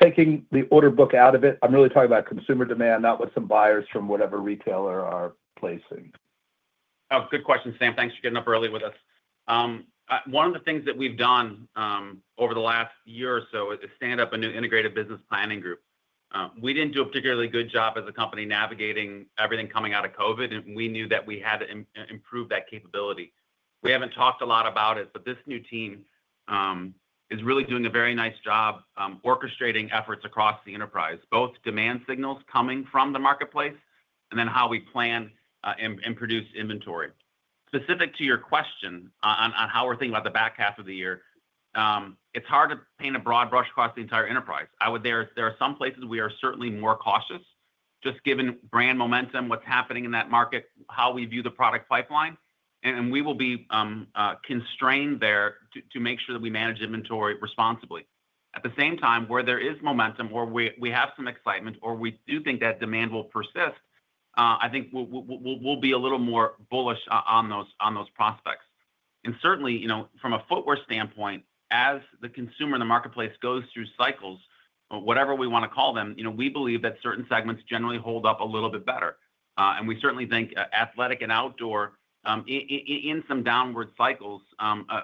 Taking the order book out of it, I'm really talking about consumer demand, not what some buyers from whatever retailer are placing. Oh, good question, Sam. Thanks for getting up early with us. One of the things that we've done over the last year or so is stand up a new integrated business planning group. We didn't do a particularly good job as a company navigating everything coming out of COVID, and we knew that we had to improve that capability. We have not talked a lot about it, but this new team is really doing a very nice job orchestrating efforts across the enterprise, both demand signals coming from the marketplace and then how we plan and produce inventory. Specific to your question on how we are thinking about the back half of the year, it is hard to paint a broad brush across the entire enterprise. There are some places we are certainly more cautious, just given brand momentum, what is happening in that market, how we view the product pipeline. We will be constrained there to make sure that we manage inventory responsibly. At the same time, where there is momentum or we have some excitement or we do think that demand will persist, I think we will be a little more bullish on those prospects. Certainly, from a footwear standpoint, as the consumer in the marketplace goes through cycles, whatever we want to call them, we believe that certain segments generally hold up a little bit better. We certainly think athletic and outdoor, in some downward cycles,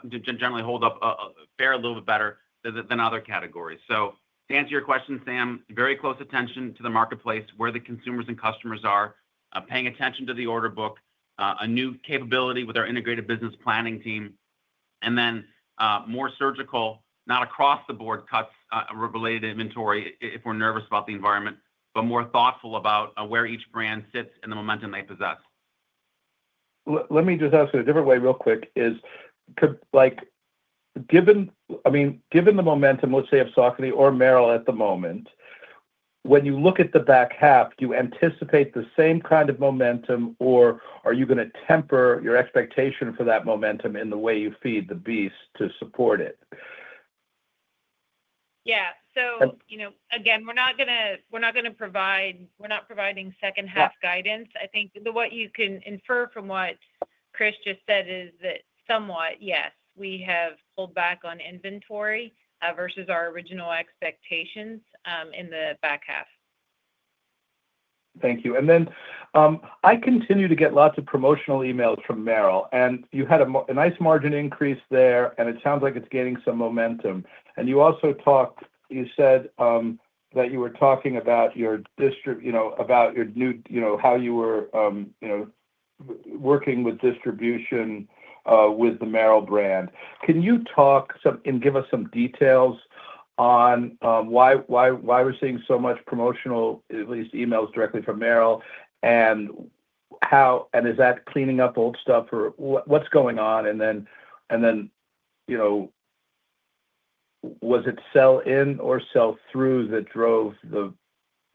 generally hold up a fair little bit better than other categories. To answer your question, Sam, very close attention to the marketplace, where the consumers and customers are, paying attention to the order book, a new capability with our integrated business planning team, and then more surgical, not across the board cuts related to inventory if we're nervous about the environment, but more thoughtful about where each brand sits and the momentum they possess. Let me just ask you a different way real quick. I mean, given the momentum, let's say, of Saucony or Merrell at the moment, when you look at the back half, do you anticipate the same kind of momentum, or are you going to temper your expectation for that momentum in the way you feed the beast to support it? Yeah. Again, we're not going to provide, we're not providing second-half guidance. I think what you can infer from what Chris just said is that somewhat, yes, we have pulled back on inventory versus our original expectations in the back half. Thank you. I continue to get lots of promotional emails from Merrell, and you had a nice margin increase there, and it sounds like it's gaining some momentum. You also talked, you said that you were talking about your district, about your new how you were working with distribution with the Merrell brand. Can you talk and give us some details on why we're seeing so much promotional, at least emails directly from Merrell, and is that cleaning up old stuff, or what's going on? Was it sell-in or sell-through that drove the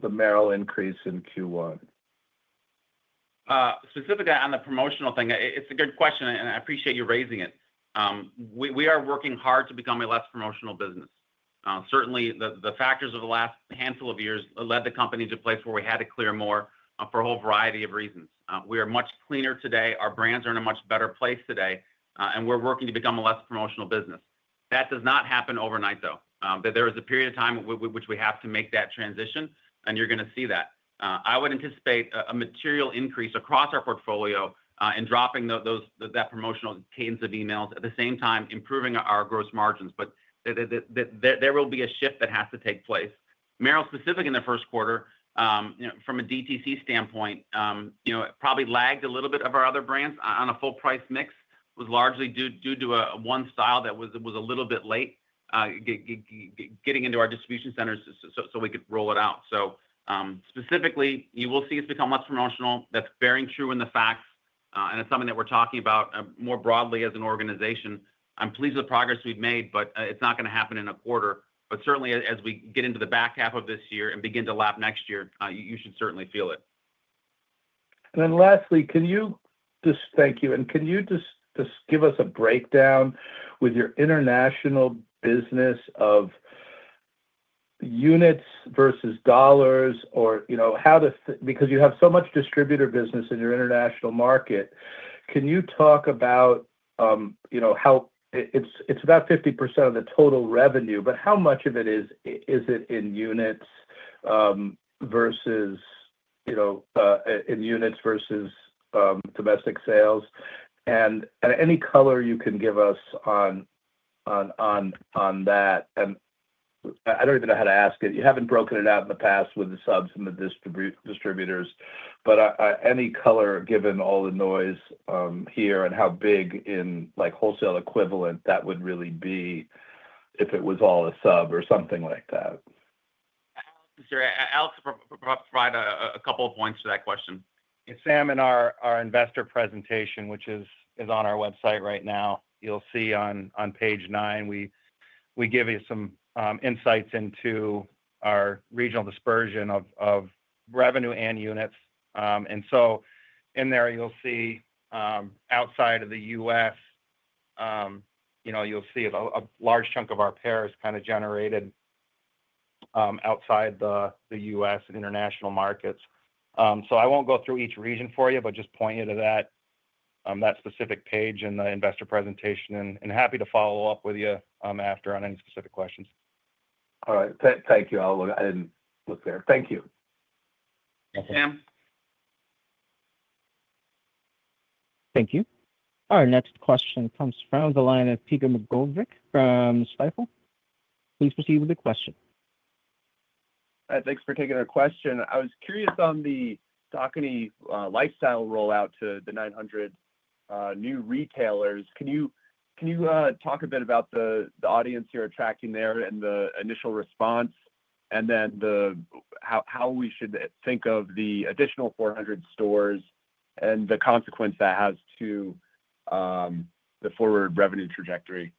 Merrell increase in Q1? Specifically on the promotional thing, it's a good question, and I appreciate you raising it. We are working hard to become a less promotional business. Certainly, the factors of the last handful of years led the company to a place where we had to clear more for a whole variety of reasons. We are much cleaner today. Our brands are in a much better place today, and we're working to become a less promotional business. That does not happen overnight, though. There is a period of time which we have to make that transition, and you're going to see that. I would anticipate a material increase across our portfolio in dropping that promotional cadence of emails, at the same time improving our gross margins. There will be a shift that has to take place. Merrell, specifically in the first quarter, from a DTC standpoint, probably lagged a little bit of our other brands on a full-price mix. It was largely due to one style that was a little bit late getting into our distribution centers so we could roll it out. Specifically, you will see us become less promotional. That is very true in the facts, and it is something that we are talking about more broadly as an organization. I'm pleased with the progress we've made, but it's not going to happen in a quarter. Certainly, as we get into the back half of this year and begin to lap next year, you should certainly feel it. Lastly, can you just thank you. Can you just give us a breakdown with your international business of units versus dollars or how to because you have so much distributor business in your international market. Can you talk about how it's about 50% of the total revenue, but how much of it is it in units versus in units versus domestic sales? Any color you can give us on that. I don't even know how to ask it. You haven't broken it out in the past with the subs and the distributors. Any color, given all the noise here and how big in wholesale equivalent that would really be if it was all a sub or something like that? I'll provide a couple of points to that question. Sam, in our investor presentation, which is on our website right now, you'll see on page nine, we give you some insights into our regional dispersion of revenue and units. In there, you'll see outside of the U.S., you'll see a large chunk of our pairs kind of generated outside the U.S. and international markets. I won't go through each region for you, but just point you to that specific page in the investor presentation. Happy to follow up with you after on any specific questions. All right. Thank you. I didn't look there. Thank you. Thank you. Thank you. Our next question comes from the line of Peter McGoldrick from Stifel. Please proceed with the question. Thanks for taking our question. I was curious on the Saucony lifestyle rollout to the 900 new retailers. Can you talk a bit about the audience you're attracting there and the initial response and then how we should think of the additional 400 stores and the consequence that has to the forward revenue trajectory?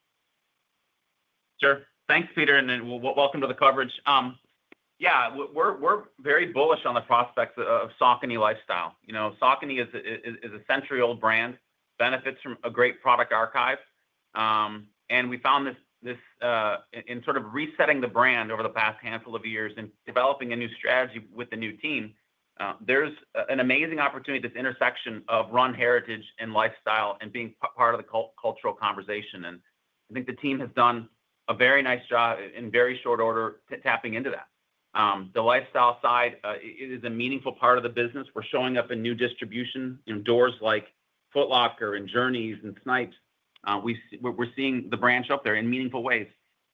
Sure. Thanks, Peter. And welcome to the coverage. Yeah, we're very bullish on the prospects of Saucony lifestyle. Saucony is a century-old brand, benefits from a great product archive. And we found this in sort of resetting the brand over the past handful of years and developing a new strategy with the new team. There's an amazing opportunity at this intersection of run heritage and lifestyle and being part of the cultural conversation. I think the team has done a very nice job in very short order tapping into that. The lifestyle side is a meaningful part of the business. We're showing up in new distribution in doors like Foot Locker and Journeys and Snipes. We're seeing the brand show up there in meaningful ways.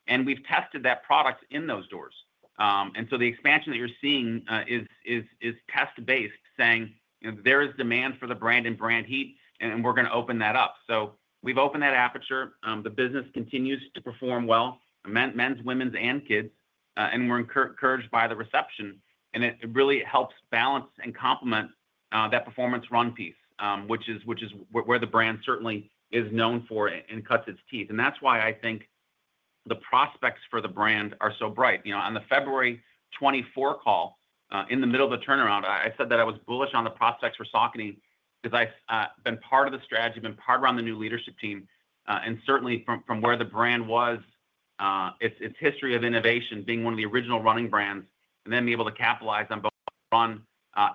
We've tested that product in those doors. The expansion that you're seeing is test-based, saying there is demand for the brand and brand heat, and we're going to open that up. We've opened that aperture. The business continues to perform well, men's, women's, and kids. We're encouraged by the reception. It really helps balance and complement that performance run piece, which is where the brand certainly is known for and cuts its teeth. That's why I think the prospects for the brand are so bright. On the February 24 call, in the middle of the turnaround, I said that I was bullish on the prospects for Saucony because I've been part of the strategy, been part of the new leadership team. Certainly, from where the brand was, its history of innovation being one of the original running brands, and then being able to capitalize on both run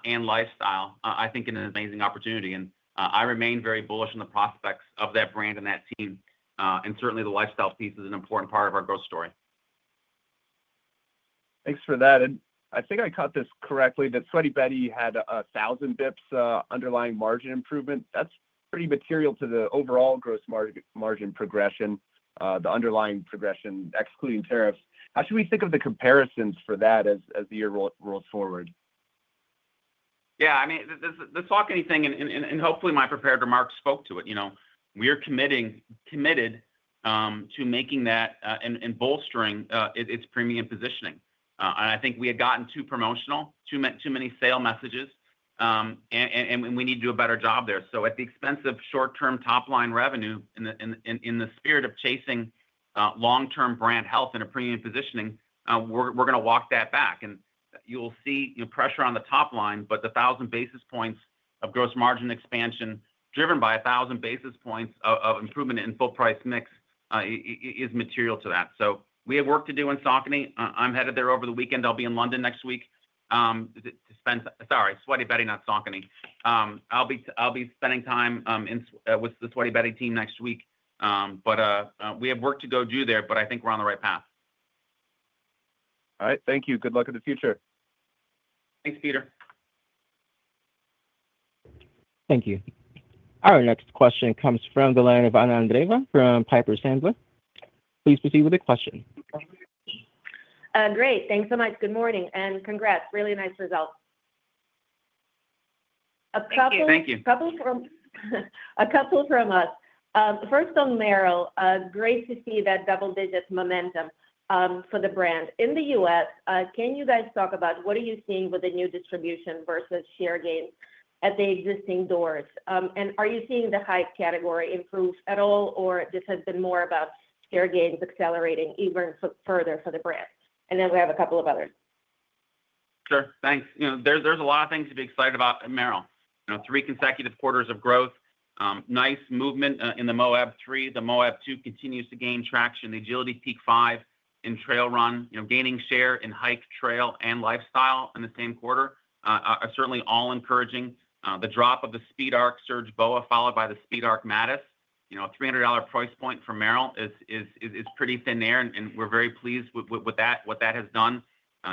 and lifestyle, I think, is an amazing opportunity. I remain very bullish on the prospects of that brand and that team. Certainly, the lifestyle piece is an important part of our growth story. Thanks for that. I think I caught this correctly, that Sweaty Betty had 1,000 basis points underlying margin improvement. That's pretty material to the overall gross margin progression, the underlying progression, excluding tariffs. How should we think of the comparisons for that as the year rolls forward? Yeah. I mean, the Saucony thing, and hopefully my prepared remarks spoke to it, we are committed to making that and bolstering its premium positioning. I think we had gotten too promotional, too many sale messages, and we need to do a better job there. At the expense of short-term top-line revenue, in the spirit of chasing long-term brand health and a premium positioning, we are going to walk that back. You will see pressure on the top line, but the 1,000 basis points of gross margin expansion driven by 1,000 basis points of improvement in full-price mix is material to that. We have work to do in Saucony. I am headed there over the weekend. I will be in London next week to spend—sorry, Sweaty Betty, not Saucony. I will be spending time with the Sweaty Betty team next week. We have work to go do there, but I think we're on the right path. All right. Thank you. Good luck in the future. Thanks, Peter. Thank you. Our next question comes from Anna Andreeva from Piper Sandler. Please proceed with the question. Great. Thanks so much. Good morning. And congrats. Really nice results. A couple from us. First, on Merrell, great to see that double-digit momentum for the brand. In the U.S., can you guys talk about what are you seeing with the new distribution versus share gains at the existing doors? And are you seeing the hike category improve at all, or this has been more about share gains accelerating even further for the brand? And then we have a couple of others. Sure. Thanks. There's a lot of things to be excited about in Merrell. Three consecutive quarters of growth, nice movement in the Moab 3. The Moab 2 continues to gain traction. The Agility Peak 5 in Trail Run, gaining share in Hike, Trail, and Lifestyle in the same quarter, are certainly all encouraging. The drop of the SpeedARC Surge BOA, followed by the SpeedARC Matis, $300 price point for Merrell is pretty thin there, and we're very pleased with what that has done.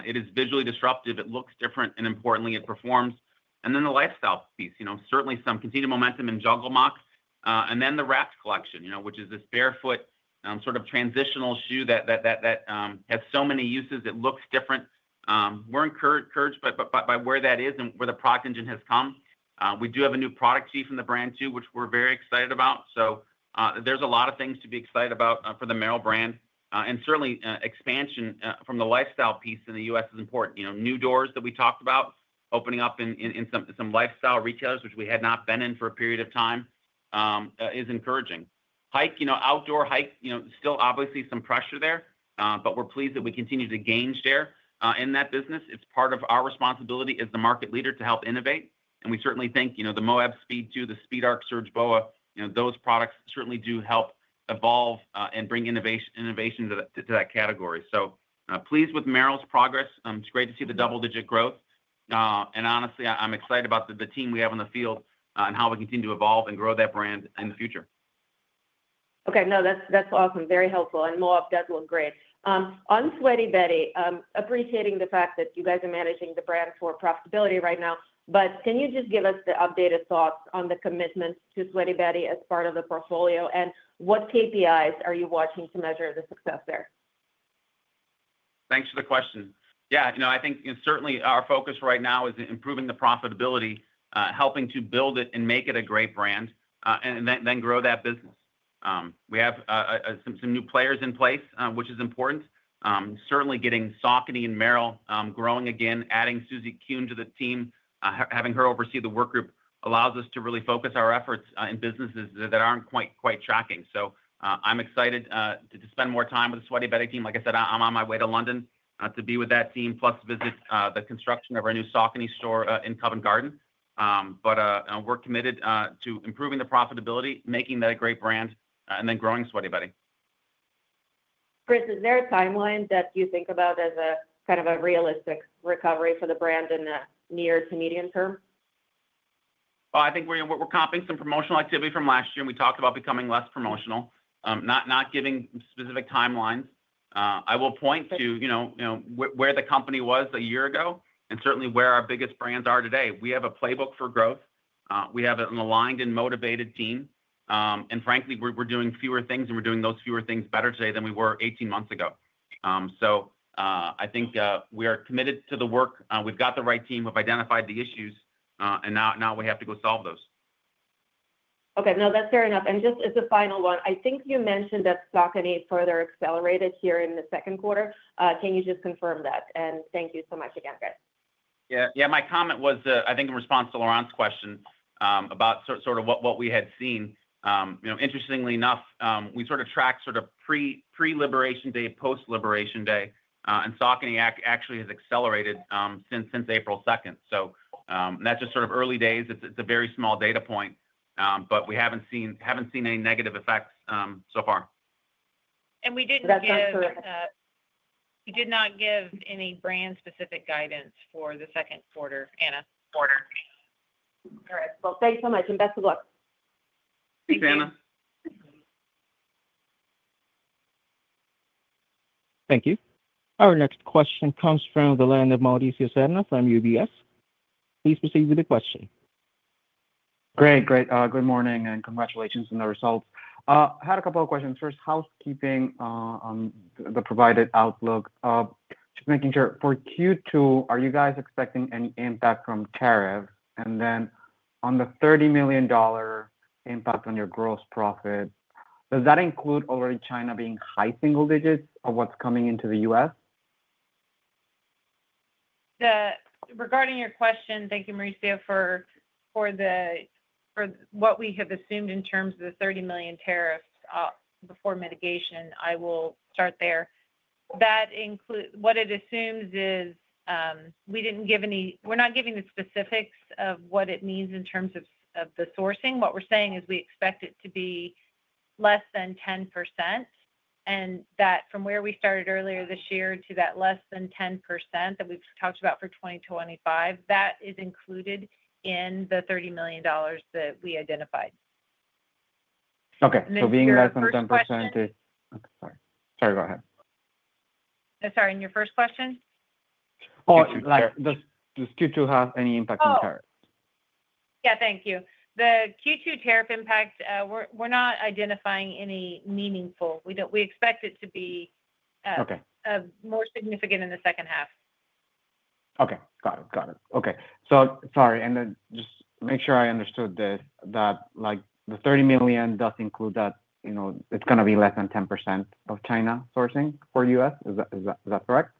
It is visually disruptive. It looks different, and importantly, it performs. The lifestyle piece, certainly some continued momentum in Jungle Moc. The Wrapped collection, which is this barefoot sort of transitional shoe that has so many uses. It looks different. We're encouraged by where that is and where the product engine has come. We do have a new product chief in the brand too, which we're very excited about. There are a lot of things to be excited about for the Merrell brand. Certainly, expansion from the lifestyle piece in the US is important. New doors that we talked about opening up in some lifestyle retailers, which we had not been in for a period of time, is encouraging. Outdoor hike, still obviously some pressure there, but we're pleased that we continue to gain share in that business. It is part of our responsibility as the market leader to help innovate. We certainly think the Moab Speed 2, the SpeedARC Surge BOA, those products certainly do help evolve and bring innovation to that category. Pleased with Merrell's progress. It is great to see the double-digit growth. Honestly, I'm excited about the team we have in the field and how we continue to evolve and grow that brand in the future. Okay. No, that's awesome. Very helpful. Moab does look great. On Sweaty Betty, appreciating the fact that you guys are managing the brand for profitability right now, but can you just give us the updated thoughts on the commitment to Sweaty Betty as part of the portfolio, and what KPIs are you watching to measure the success there? Thanks for the question. Yeah. I think certainly our focus right now is improving the profitability, helping to build it and make it a great brand, and then grow that business. We have some new players in place, which is important. Certainly, getting Saucony and Merrell growing again, adding Susie Kuhn to the team, having her oversee the work group allows us to really focus our efforts in businesses that are not quite tracking. I am excited to spend more time with the Sweaty Betty team. Like I said, I'm on my way to London to be with that team, plus visit the construction of our new Saucony store in Covent Garden. We are committed to improving the profitability, making that a great brand, and then growing Sweaty Betty. Chris, is there a timeline that you think about as a kind of a realistic recovery for the brand in the near to medium term? I think we're comping some promotional activity from last year, and we talked about becoming less promotional, not giving specific timelines. I will point to where the company was a year ago and certainly where our biggest brands are today. We have a playbook for growth. We have an aligned and motivated team. Frankly, we're doing fewer things, and we're doing those fewer things better today than we were 18 months ago. I think we are committed to the work. We've got the right team. We've identified the issues, and now we have to go solve those. Okay. No, that's fair enough. Just as a final one, I think you mentioned that Saucony's further accelerated here in the second quarter. Can you just confirm that? Thank you so much again, Chris. Yeah. My comment was, I think, in response to Laurent's question about sort of what we had seen. Interestingly enough, we sort of tracked sort of pre-liberation day, post-liberation day, and Saucony actually has accelerated since April 2nd. That's just sort of early days. It's a very small data point, but we haven't seen any negative effects so far. We didn't give any brand-specific guidance for the second quarter, Anna. All right. Thanks so much, and best of luck. Thanks, Anna. Thank you. Our next question comes from Mauricio Serna from UBS. Please proceed with the question. Great. Good morning, and congratulations on the results. I had a couple of questions. First, housekeeping on the provided outlook. Just making sure, for Q2, are you guys expecting any impact from tariffs? And then on the $30 million impact on your gross profit, does that include already China being high single digits or what's coming into the US? Regarding your question, thank you, Mauricio, for what we have assumed in terms of the $30 million tariffs before mitigation. I will start there. What it assumes is we did not give any—we are not giving the specifics of what it means in terms of the sourcing. What we are saying is we expect it to be less than 10%. That from where we started earlier this year to that less than 10% that we've talked about for 2025, that is included in the $30 million that we identified. Okay. Being less than 10% is—sorry. Go ahead. Sorry, in your first question? Oh, the Q2 has any impact on tariffs? Yeah. Thank you. The Q2 tariff impact, we're not identifying any meaningful. We expect it to be more significant in the second half. Okay. Got it. Got it. Okay. Sorry, and then just make sure I understood this, that the $30 million does include that it's going to be less than 10% of China sourcing for U.S. Is that correct?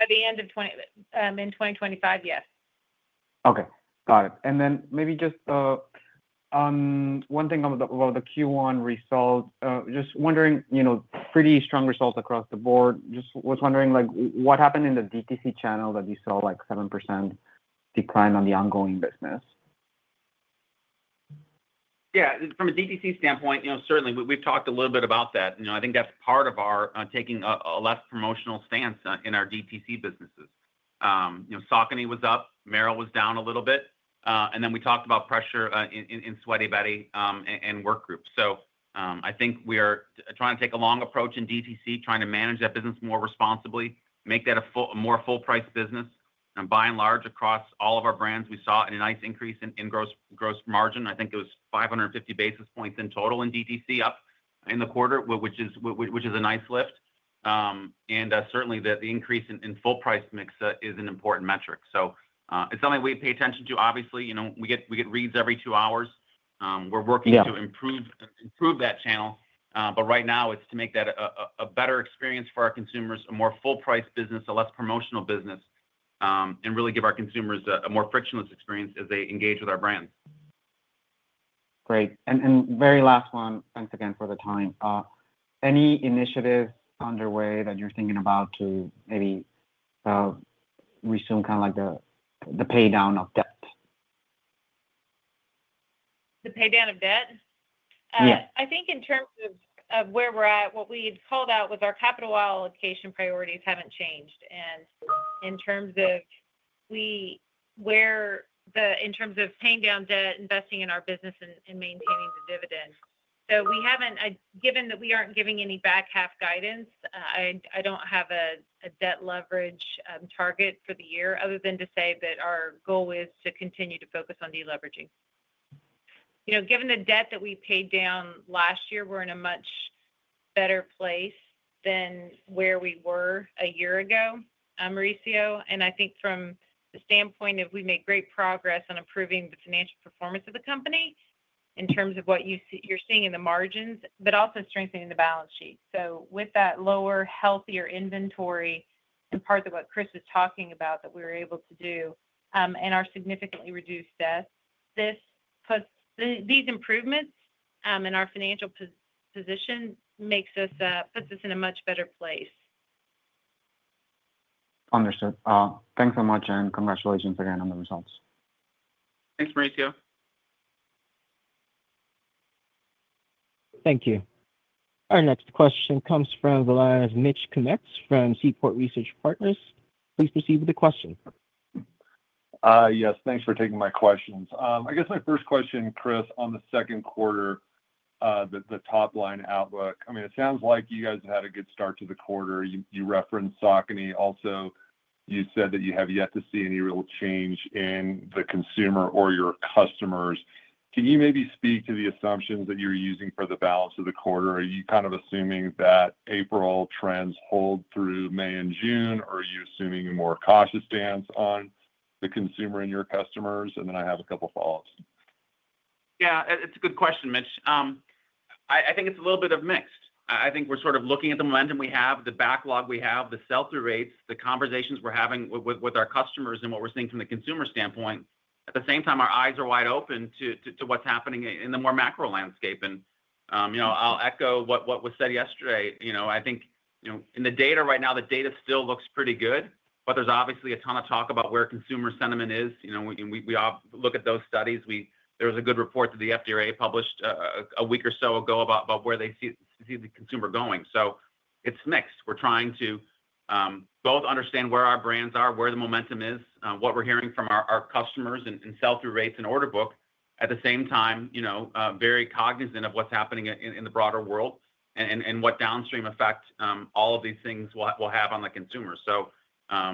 At the end of 2025, yes. Okay. Got it. Maybe just one thing about the Q1 result, just wondering, pretty strong results across the board. Just was wondering what happened in the DTC channel that you saw like 7% decline on the ongoing business? Yeah. From a DTC standpoint, certainly, we've talked a little bit about that. I think that's part of our taking a less promotional stance in our DTC businesses. Saucony was up. Merrell was down a little bit. And then we talked about pressure in Sweaty Betty and work group. I think we are trying to take a long approach in DTC, trying to manage that business more responsibly, make that a more full-price business. By and large, across all of our brands, we saw a nice increase in gross margin. I think it was 550 basis points in total in DTC up in the quarter, which is a nice lift. Certainly, the increase in full-price mix is an important metric. It is something we pay attention to. Obviously, we get reads every two hours. We're working to improve that channel. Right now, it's to make that a better experience for our consumers, a more full-price business, a less promotional business, and really give our consumers a more frictionless experience as they engage with our brands. Great. Very last one, thanks again for the time. Any initiatives underway that you're thinking about to maybe resume kind of like the paydown of debt? The paydown of debt? Yes. I think in terms of where we're at, what we called out was our capital allocation priorities haven't changed. In terms of paying down debt, investing in our business, and maintaining the dividend. Given that we are not giving any back half guidance, I do not have a debt leverage target for the year other than to say that our goal is to continue to focus on deleveraging. Given the debt that we paid down last year, we are in a much better place than where we were a year ago, Mauricio. I think from the standpoint of we made great progress on improving the financial performance of the company in terms of what you are seeing in the margins, but also strengthening the balance sheet. With that lower, healthier inventory and parts of what Chris was talking about that we were able to do and our significantly reduced debt, these improvements in our financial position put us in a much better place. Understood. Thanks so much, and congratulations again on the results. Thanks, Mauricio. Thank you. Our next question comes from Mitch Kummetz from Seaport Research Partners. Please proceed with the question. Yes. Thanks for taking my questions. I guess my first question, Chris, on the second quarter, the top line outlook. I mean, it sounds like you guys have had a good start to the quarter. You referenced Saucony. Also, you said that you have yet to see any real change in the consumer or your customers. Can you maybe speak to the assumptions that you're using for the balance of the quarter? Are you kind of assuming that April trends hold through May and June, or are you assuming a more cautious stance on the consumer and your customers? I have a couple of follow-ups. Yeah. It's a good question, Mitch. I think it's a little bit of mixed. I think we're sort of looking at the momentum we have, the backlog we have, the sell-through rates, the conversations we're having with our customers and what we're seeing from the consumer standpoint. At the same time, our eyes are wide open to what's happening in the more macro landscape. I'll echo what was said yesterday. I think in the data right now, the data still looks pretty good, but there's obviously a ton of talk about where consumer sentiment is. We look at those studies. There was a good report that the FDRA published a week or so ago about where they see the consumer going. It's mixed. We're trying to both understand where our brands are, where the momentum is, what we're hearing from our customers in sell-through rates and order book, at the same time, very cognizant of what's happening in the broader world and what downstream effect all of these things will have on the consumers. I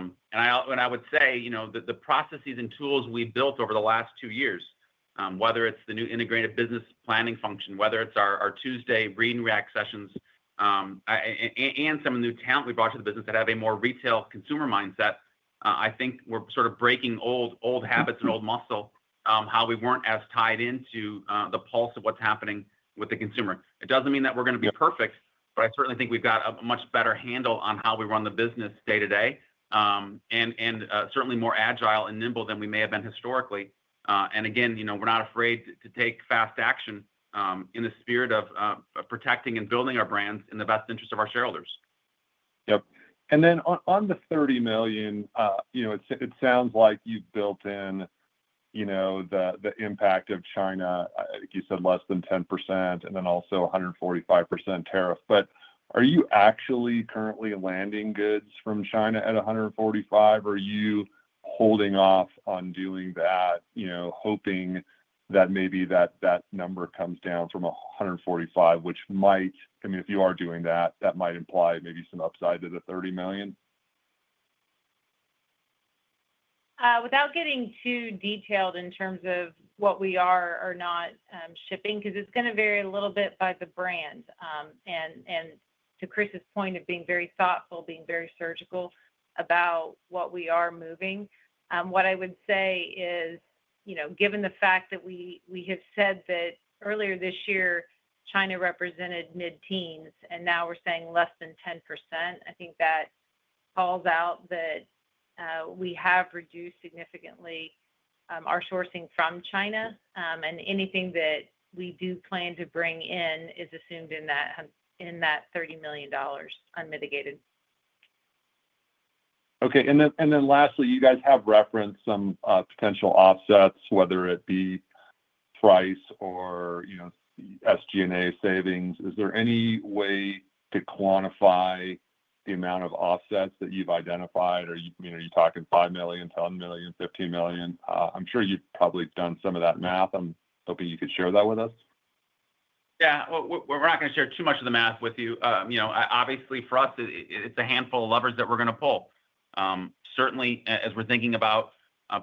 would say the processes and tools we built over the last two years, whether it's the new integrated business planning function, whether it's our Tuesday read and react sessions, and some of the new talent we brought to the business that have a more retail consumer mindset, I think we're sort of breaking old habits and old muscle, how we weren't as tied into the pulse of what's happening with the consumer. It does not mean that we are going to be perfect, but I certainly think we have got a much better handle on how we run the business day to day and certainly more agile and nimble than we may have been historically. Again, we are not afraid to take fast action in the spirit of protecting and building our brands in the best interest of our shareholders. Yep. On the $30 million, it sounds like you have built in the impact of China. You said less than 10% and then also 145% tariff. Are you actually currently landing goods from China at 145%? Are you holding off on doing that, hoping that maybe that number comes down from 145%, which might—I mean, if you are doing that, that might imply maybe some upside to the $30 million? Without getting too detailed in terms of what we are or are not shipping, because it's going to vary a little bit by the brand. To Chris's point of being very thoughtful, being very surgical about what we are moving, what I would say is, given the fact that we have said that earlier this year, China represented mid-teens, and now we're saying less than 10%, I think that calls out that we have reduced significantly our sourcing from China. Anything that we do plan to bring in is assumed in that $30 million unmitigated. Okay. Lastly, you guys have referenced some potential offsets, whether it be price or SG&A savings. Is there any way to quantify the amount of offsets that you've identified? Are you talking $5 million, $10 million, $15 million? I'm sure you've probably done some of that math. I'm hoping you could share that with us. Yeah. We're not going to share too much of the math with you. Obviously, for us, it's a handful of levers that we're going to pull. Certainly, as we're thinking about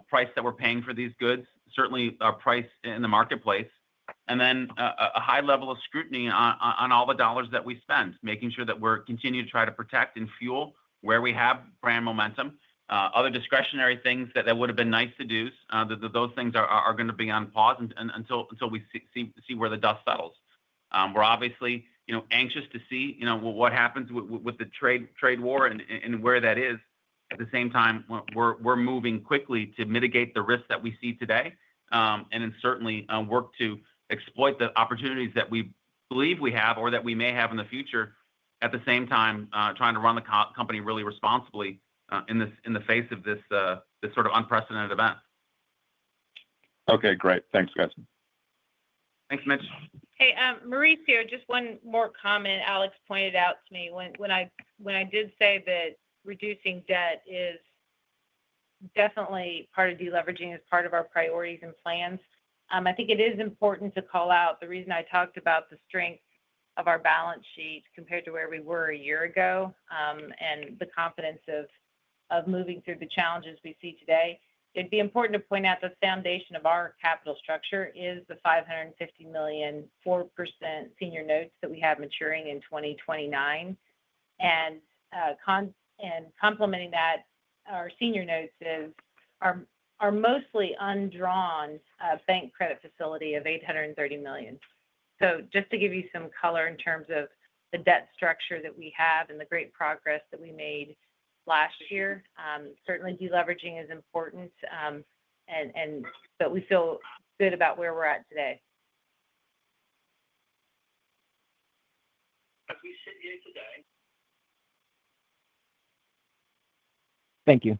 price that we're paying for these goods, certainly our price in the marketplace, and then a high level of scrutiny on all the dollars that we spend, making sure that we're continuing to try to protect and fuel where we have brand momentum. Other discretionary things that would have been nice to do, those things are going to be on pause until we see where the dust settles. We're obviously anxious to see what happens with the trade war and where that is. At the same time, we're moving quickly to mitigate the risks that we see today and then certainly work to exploit the opportunities that we believe we have or that we may have in the future, at the same time trying to run the company really responsibly in the face of this sort of unprecedented event. Okay. Great. Thanks, guys. Thanks, Mitch. Hey, Mauricio, just one more comment Alex pointed out to me when I did say that reducing debt is definitely part of deleveraging as part of our priorities and plans. I think it is important to call out the reason I talked about the strength of our balance sheet compared to where we were a year ago and the confidence of moving through the challenges we see today. It'd be important to point out the foundation of our capital structure is the $550 million, 4% senior notes that we have maturing in 2029. Complementing that, our senior notes are mostly undrawn bank credit facility of $830 million. Just to give you some color in terms of the debt structure that we have and the great progress that we made last year, certainly deleveraging is important, but we feel good about where we're at today. As we sit here today. Thank you.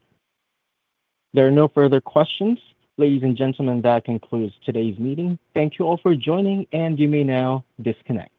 There are no further questions. Ladies and gentlemen, that concludes today's meeting. Thank you all for joining, and you may now disconnect.